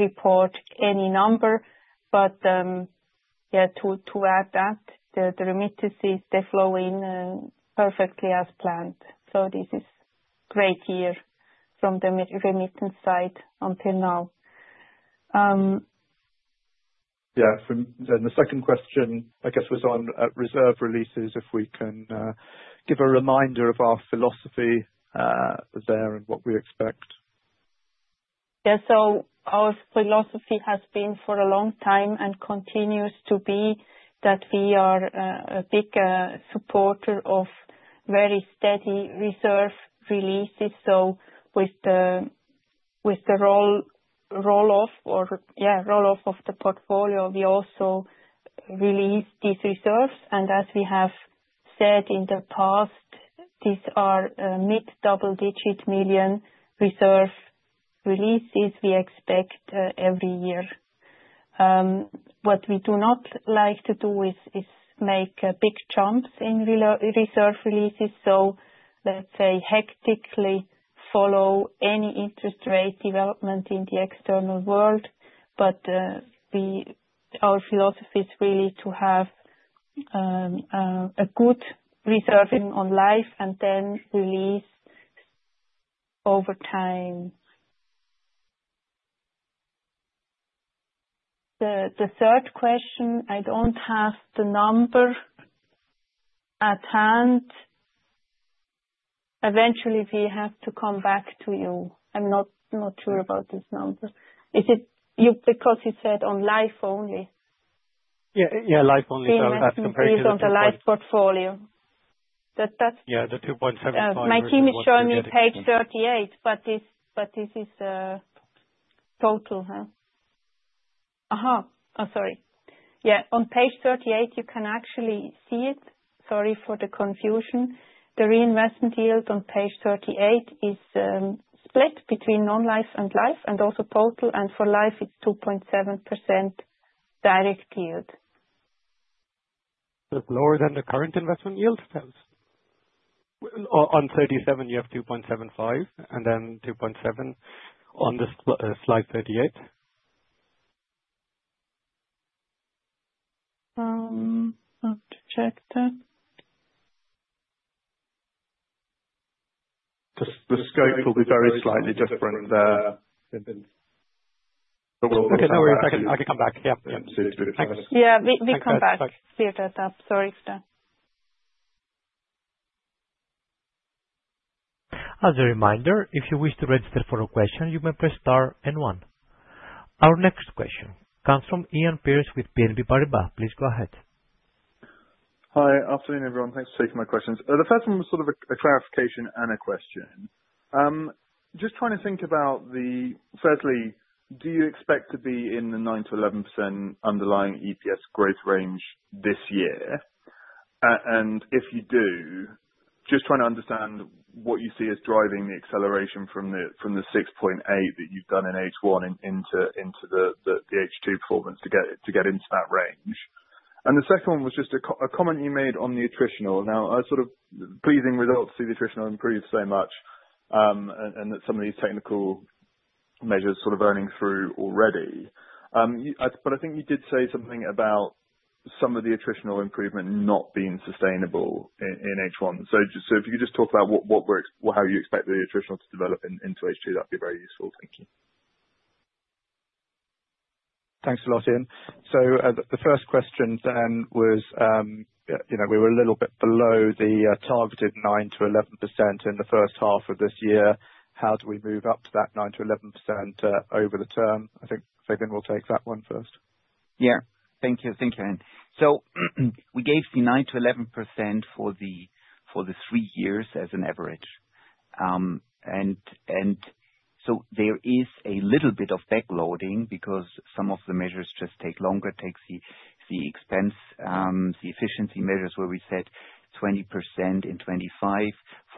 report any number. But yeah, to add that, the remittances, they flow in perfectly as planned. So this is great here from the remittance side until now. Yeah. And the second question, I guess, was on reserve releases, if we can give a reminder of our philosophy there and what we expect. Yeah. So our philosophy has been for a long time and continues to be that we are a big supporter of very steady reserve releases. So with the roll-off or, yeah, roll-off of the portfolio, we also release these reserves. And as we have said in the past, these are mid-double-digit million reserve releases we expect every year. What we do not like to do is make big jumps in reserve releases. So let's say hectically follow any interest rate development in the external world. But our philosophy is really to have a good reserving on life and then release over time. The third question, I don't have the number at hand. Eventually, we have to come back to you. I'm not sure about this number. Is it because you said on life only? Yeah, yeah, life only. So that's compared to the. On the life portfolio. Yeah, the 2.75. My team is showing me page 38, but this is total. Oh, sorry. Yeah, on page 38, you can actually see it. Sorry for the confusion. The reinvestment yield on page 38 is split between non-life and life and also total. And for life, it's 2.7% direct yield. Lower than the current investment yield? On 37, you have 2.75 and then 2.7 on this slide 38. I'll check that. The scope will be very slightly different there. Okay, no worries. I can come back. Yeah. Yeah, we come back. Peter at that. Sorry for that. As a reminder, if you wish to register for a question, you may press star and one. Our next question comes from Iain Pearce with BNP Paribas. Please go ahead. Hi, afternoon, everyone. Thanks for taking my questions. The first one was sort of a clarification and a question. Just trying to think about the firstly, do you expect to be in the 9%-11% underlying EPS growth range this year? And if you do, just trying to understand what you see as driving the acceleration from the 6.8 that you've done in H1 into the H2 performance to get into that range. And the second one was just a comment you made on the attritional. Now, sort of pleasing results to the attritional improved so much and that some of these technical measures sort of earning through already. But I think you did say something about some of the attritional improvement not being sustainable in H1. So if you could just talk about how you expect the attritional to develop into H2, that'd be very useful. Thank you. Thanks a lot, Iain. So the first question then was we were a little bit below the targeted 9%-11% in the first half of this year. How do we move up to that 9%-11% over the term? I think Fabian will take that one first. Yeah. Thank you. Thank you, Iain. So we gave the 9%-11% for the three years as an average. And so there is a little bit of backloading because some of the measures just take longer, take the expense, the efficiency measures where we said 20% in 2025, 40%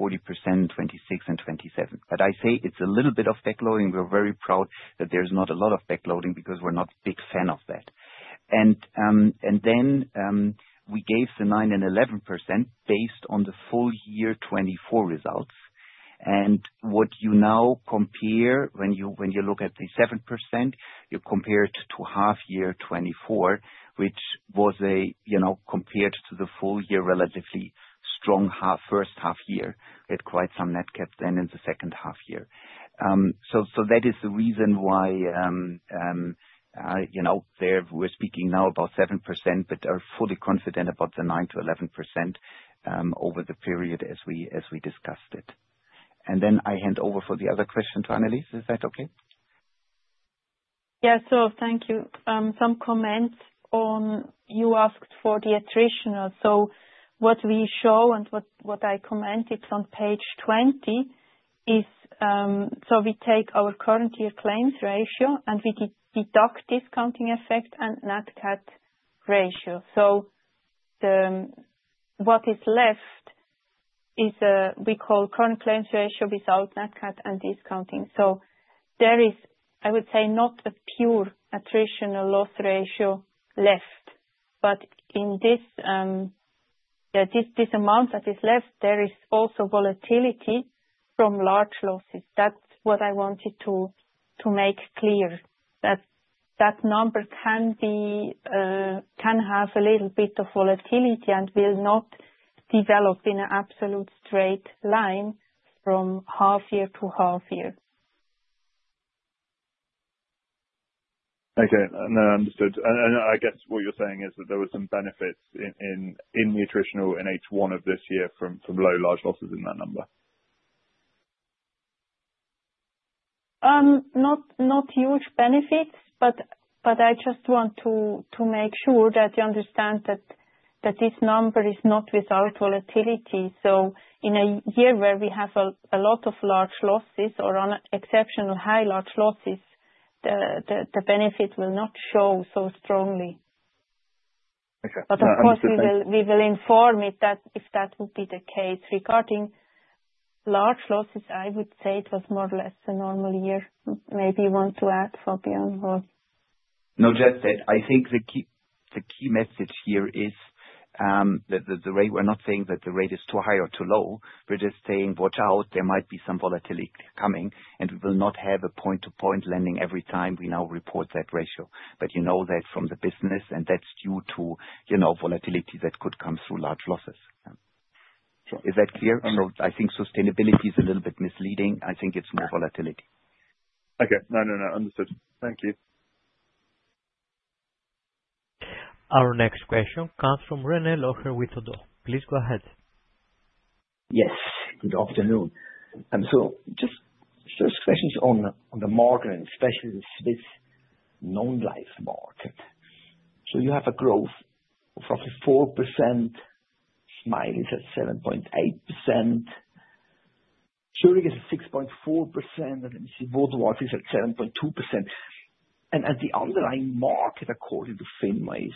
in 2026, and 2027. But I say it's a little bit of backloading. We're very proud that there's not a lot of backloading because we're not a big fan of that. And then we gave the 9%-11% based on the full year 2024 results. And what you now compare, when you look at the 7%, you compare it to half-year 2024, which was compared to the full year relatively strong first half-year. We had quite some NatCat then in the second half-year, so that is the reason why we're speaking now about 7%, but are fully confident about the 9%-11% over the period as we discussed it, and then I hand over for the other question to Annelis. Is that okay? Yeah, so thank you. Some comments on what you asked for the attritional. So what we show and what I commented on page 20 is so we take our current year claims ratio and we deduct discounting effect and NatCat ratio. So what is left is we call current claims ratio without NatCat and discounting. So there is, I would say, not a pure attritional loss ratio left. But in this amount that is left, there is also volatility from large losses. That's what I wanted to make clear. That number can have a little bit of volatility and will not develop in an absolute straight line from half-year to half-year. Okay. No, understood. And I guess what you're saying is that there were some benefits in the attritional in H1 of this year from low large losses in that number. Not huge benefits, but I just want to make sure that you understand that this number is not without volatility. So in a year where we have a lot of large losses or exceptional high large losses, the benefit will not show so strongly. But of course, we will inform you that if that would be the case. Regarding large losses, I would say it was more or less a normal year. Maybe you want to add, Fabian, or? No, just that I think the key message here is that the rate we're not saying that the rate is too high or too low. We're just saying, watch out, there might be some volatility coming, and we will not have a point-to-point lending every time we now report that ratio. But you know that from the business, and that's due to volatility that could come through large losses. Is that clear? So I think sustainability is a little bit misleading. I think it's more volatility. Okay. No, no, no. Understood. Thank you. Our next question comes from René Locher with Oddo BHF. Please go ahead. Yes. Good afternoon. So just first questions on the market, especially the Swiss non-life market. So you have a growth of roughly 4%. Smile is at 7.8%. Zurich Insurance Group is at 6.4%. Let me see. Vaudoise is at 7.2%. The underlying market, according to FINMA, is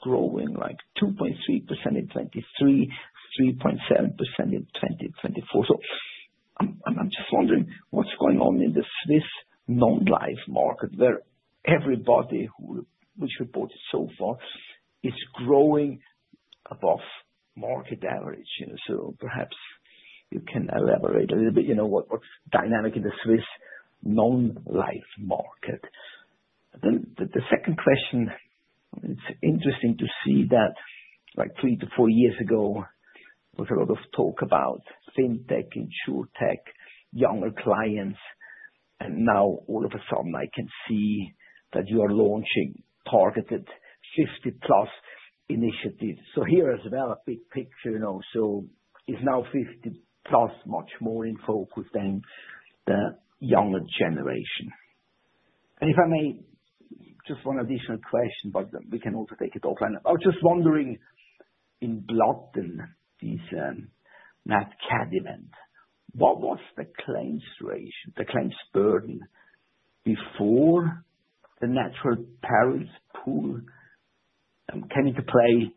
growing like 2.3% in 2023, 3.7% in 2024. I'm just wondering what's going on in the Swiss non-life market, where everybody who's reported so far is growing above market average. Perhaps you can elaborate a little bit what's dynamic in the Swiss non-life market. The second question, it's interesting to see that like three to four years ago, there was a lot of talk about FinTech, insurtech, younger clients. Now, all of a sudden, I can see that you are launching targeted 50-plus initiatives. Here as well, big picture. It's now 50-plus, much more in focus than the younger generation. If I may, just one additional question, but we can also take it offline. I was just wondering, in Blatten, this NatCat event, what was the claims ratio, the claims burden before the Natural Perils Pool came into play,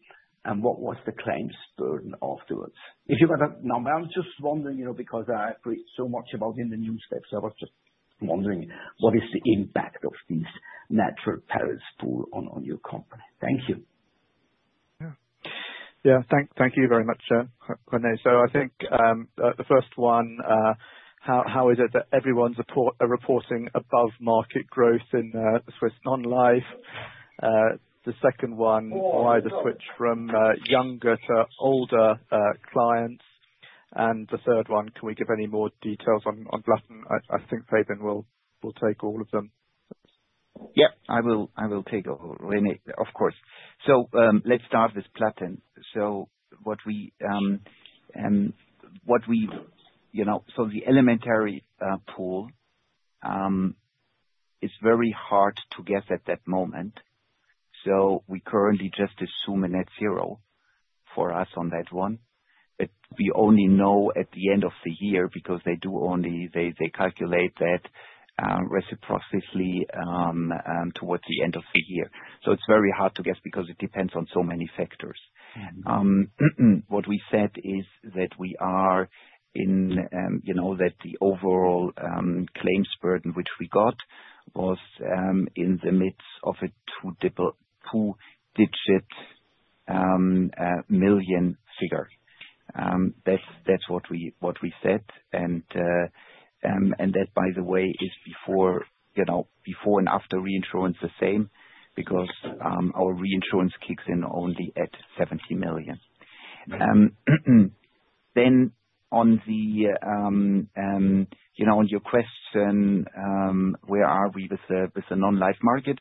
and what was the claims burden afterwards? If you've got a number, I'm just wondering because I've read so much about it in the newspapers. I was just wondering, what is the impact of this Natural Perils Pool on your company? Thank you. Yeah. Thank you very much, René. So I think the first one, how is it that everyone's reporting above market growth in Swiss non-life? The second one, why the switch from younger to older clients? And the third one, can we give any more details on Blatten? I think Fabian will take all of them. Yep. I will take all of them, René, of course. So let's start with Blatten. What we saw, the Elementary Pool is very hard to guess at that moment. We currently just assume a net zero for us on that one. But we only know at the end of the year because they calculate that reciprocally towards the end of the year. It's very hard to guess because it depends on so many factors. What we said is that the overall claims burden, which we got, was in the midst of a two-digit million figure. That's what we said, and that, by the way, is the same before and after reinsurance because our reinsurance kicks in only at 70 million. Then, on your question, where are we with the non-life market?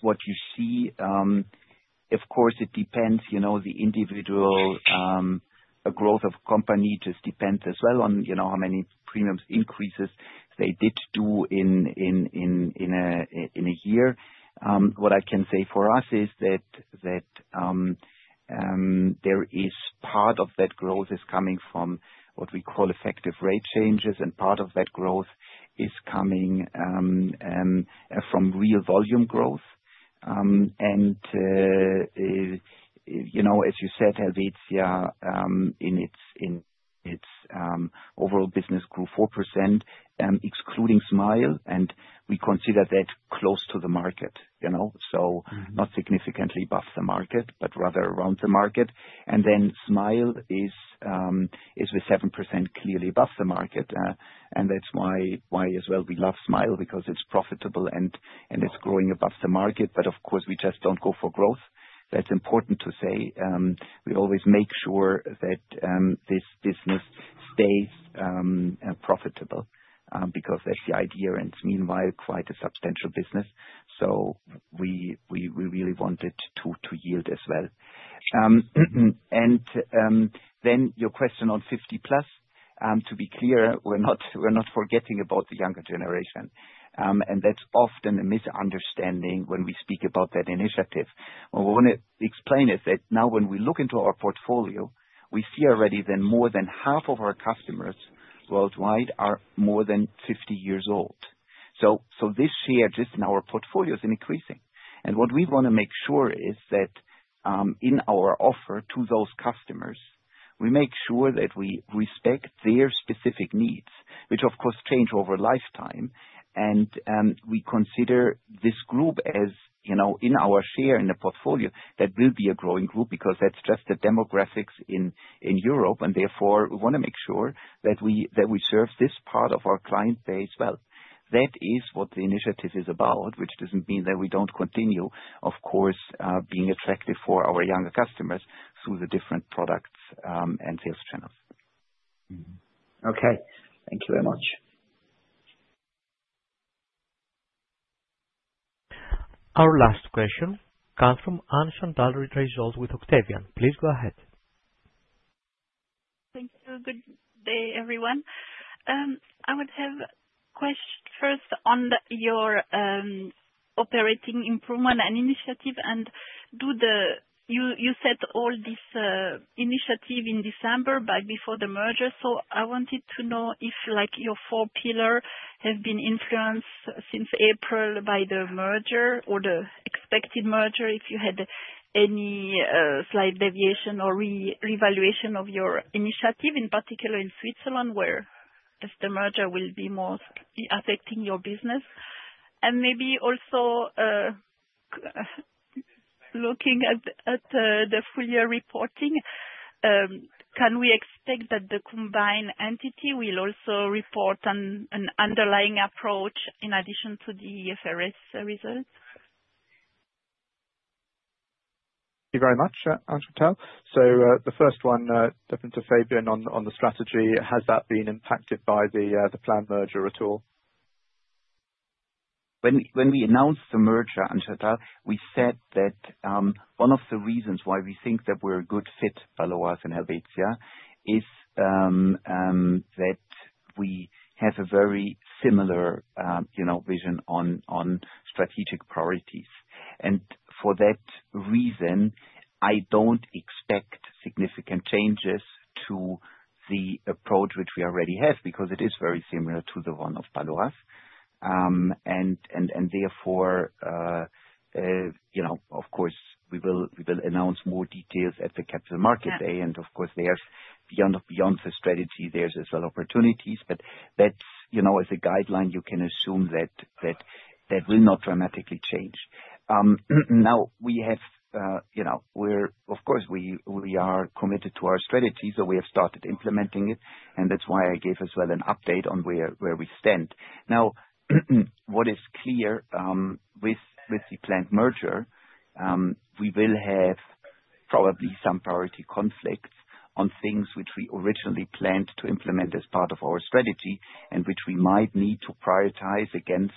What you see, of course, it depends. The individual growth of a company just depends as well on how many premium increases they did do in a year. What I can say for us is that there is part of that growth is coming from what we call effective rate changes, and part of that growth is coming from real volume growth. And as you said, Helvetia, in its overall business, grew 4%, excluding Smile. And we consider that close to the market. So not significantly above the market, but rather around the market. And then Smile is with 7% clearly above the market. And that's why as well we love Smile because it's profitable and it's growing above the market. But of course, we just don't go for growth. That's important to say. We always make sure that this business stays profitable because that's the idea. And it's meanwhile quite a substantial business. So we really want it to yield as well. And then your question on 50-plus, to be clear, we're not forgetting about the younger generation. And that's often a misunderstanding when we speak about that initiative. What I want to explain is that now when we look into our portfolio, we see already that more than half of our customers worldwide are more than 50 years old. So this share just in our portfolio is increasing. And what we want to make sure is that in our offer to those customers, we make sure that we respect their specific needs, which of course change over lifetime. And we consider this group as in our share in the portfolio, that will be a growing group because that's just the demographics in Europe. And therefore, we want to make sure that we serve this part of our client base well. That is what the initiative is about, which doesn't mean that we don't continue, of course, being attractive for our younger customers through the different products and sales channels. Okay. Thank you very much. Our last question comes from Alessandro D'Eri with Octavian. Please go ahead. Thank you. Good day, everyone. I would have a question first on your operating improvement and initiative. And you said all this initiative in December, but before the merger. So I wanted to know if your four pillars have been influenced since April by the merger or the expected merger, if you had any slight deviation or reevaluation of your initiative, in particular in Switzerland, where the merger will be most affecting your business. And maybe also looking at the full year reporting, can we expect that the combined entity will also report an underlying earnings in addition to the IFRS results? Thank you very much, Annelis. So the first one, definitely to Fabian on the strategy, has that been impacted by the planned merger at all? When we announced the merger, Annelis, we said that one of the reasons why we think that we're a good fit, Baloise and Helvetia, is that we have a very similar vision on strategic priorities. And for that reason, I don't expect significant changes to the approach which we already have because it is very similar to the one of Baloise. And therefore, of course, we will announce more details at the Capital Markets Day. And of course, beyond the strategy, there's as well opportunities. But as a guideline, you can assume that that will not dramatically change. Now, we have of course, we are committed to our strategy, so we have started implementing it. And that's why I gave as well an update on where we stand. Now, what is clear with the planned merger, we will have probably some priority conflicts on things which we originally planned to implement as part of our strategy and which we might need to prioritize against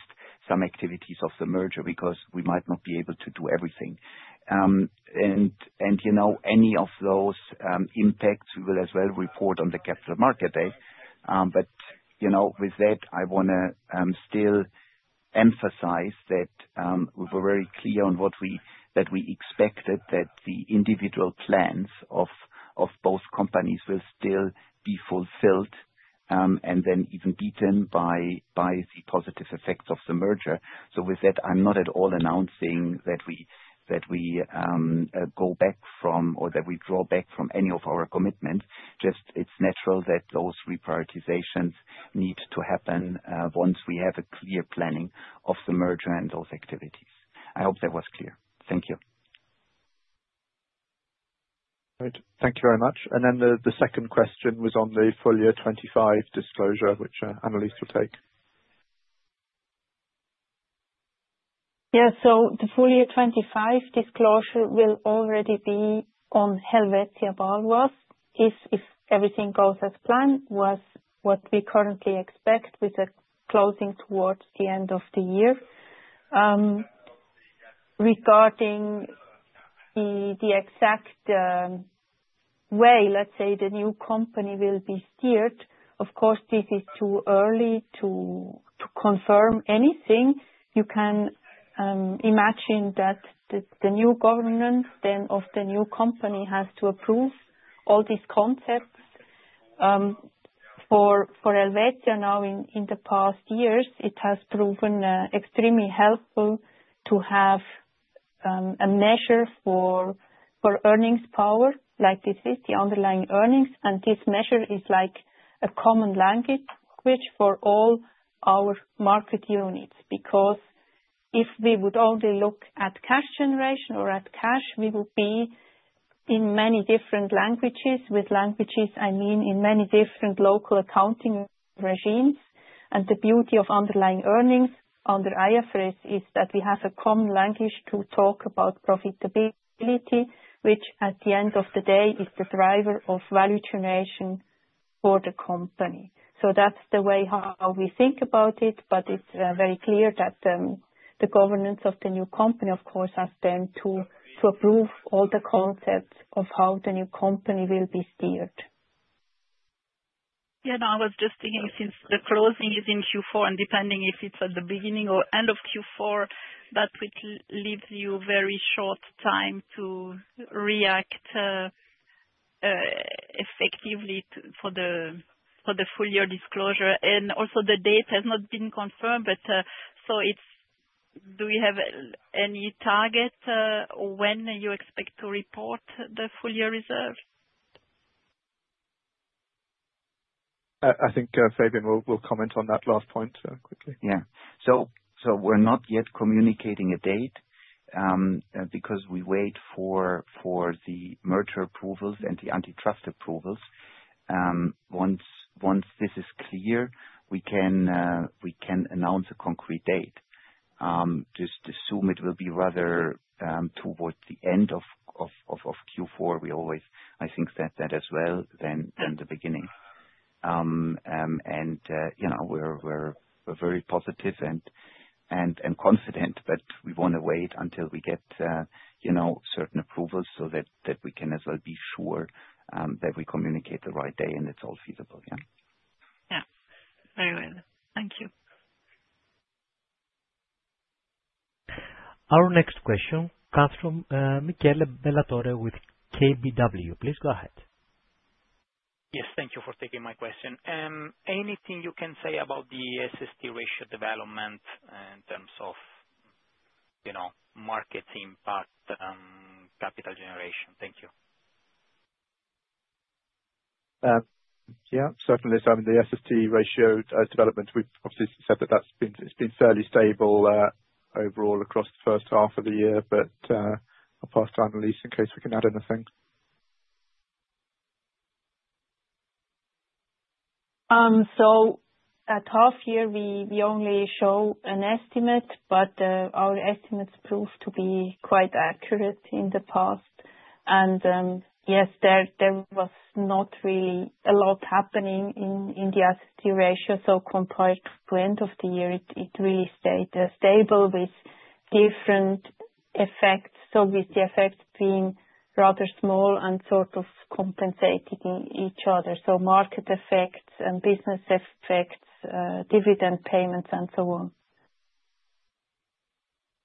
some activities of the merger because we might not be able to do everything. And any of those impacts, we will as well report on the Capital Markets Day. But with that, I want to still emphasize that we were very clear on that we expected that the individual plans of both companies will still be fulfilled and then even beaten by the positive effects of the merger. So with that, I'm not at all announcing that we go back from or that we draw back from any of our commitments. Just it's natural that those reprioritizations need to happen once we have a clear planning of the merger and those activities. I hope that was clear. Thank you. Great. Thank you very much. The second question was on the full year 2025 disclosure, which Annelis will take. Yeah. The full year 2025 disclosure will already be on Helvetia Baloise, if everything goes as planned, was what we currently expect with the closing towards the end of the year. Regarding the exact way, let's say, the new company will be steered, of course, this is too early to confirm anything. You can imagine that the new governance then of the new company has to approve all these concepts. For Helvetia now, in the past years, it has proven extremely helpful to have a measure for earnings power like this is, the underlying earnings. And this measure is like a common language for all our market units. Because if we would only look at cash generation or at cash, we would be in many different languages, with languages, I mean, in many different local accounting regimes. And the beauty of underlying earnings under IFRS is that we have a common language to talk about profitability, which at the end of the day is the driver of value generation for the company. So that's the way how we think about it. But it's very clear that the governance of the new company, of course, has been to approve all the concepts of how the new company will be steered. Yeah. No, I was just thinking since the closing is in Q4 and depending if it's at the beginning or end of Q4, that would leave you very short time to react effectively for the full year disclosure, and also the date has not been confirmed, but so do we have any target when you expect to report the full year reserve? I think Fabian will comment on that last point quickly. Yeah, so we're not yet communicating a date because we wait for the merger approvals and the antitrust approvals. Once this is clear, we can announce a concrete date. Just assume it will be rather toward the end of Q4. We always, I think, that as well rather than the beginning. And we're very positive and confident, but we want to wait until we get certain approvals so that we can as well be sure that we communicate the right day and it's all feasible. Yeah. Yeah. Very well. Thank you. Our next question comes from Michele Ballatore with KBW. Please go ahead. Yes. Thank you for taking my question. Anything you can say about the SST ratio development in terms of market impact, capital generation? Thank you. Yeah. Certainly, so I mean, the SST ratio development, we've obviously said that it's been fairly stable overall across the first half of the year. But I'll pass to Annelis in case we can add anything. So at half year, we only show an estimate, but our estimates proved to be quite accurate in the past. And yes, there was not really a lot happening in the SST ratio. So compared to end of the year, it really stayed stable with different effects, so with the effects being rather small and sort of compensating each other. So market effects and business effects, dividend payments, and so on.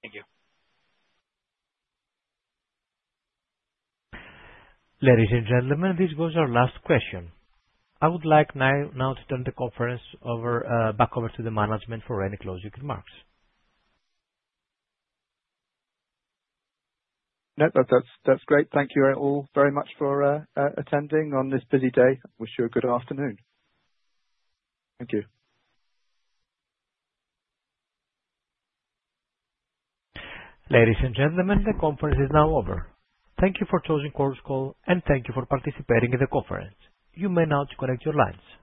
Thank you. Ladies and gentlemen, this was our last question. I would like now to turn the conference back over to the management for any closing remarks. No, that's great. Thank you all very much for attending on this busy day. Wish you a good afternoon. Thank you. Ladies and gentlemen, the conference is now over. Thank you for choosing Chorus Call, and thank you for participating in the conference. You may now disconnect your lines. Goodbye.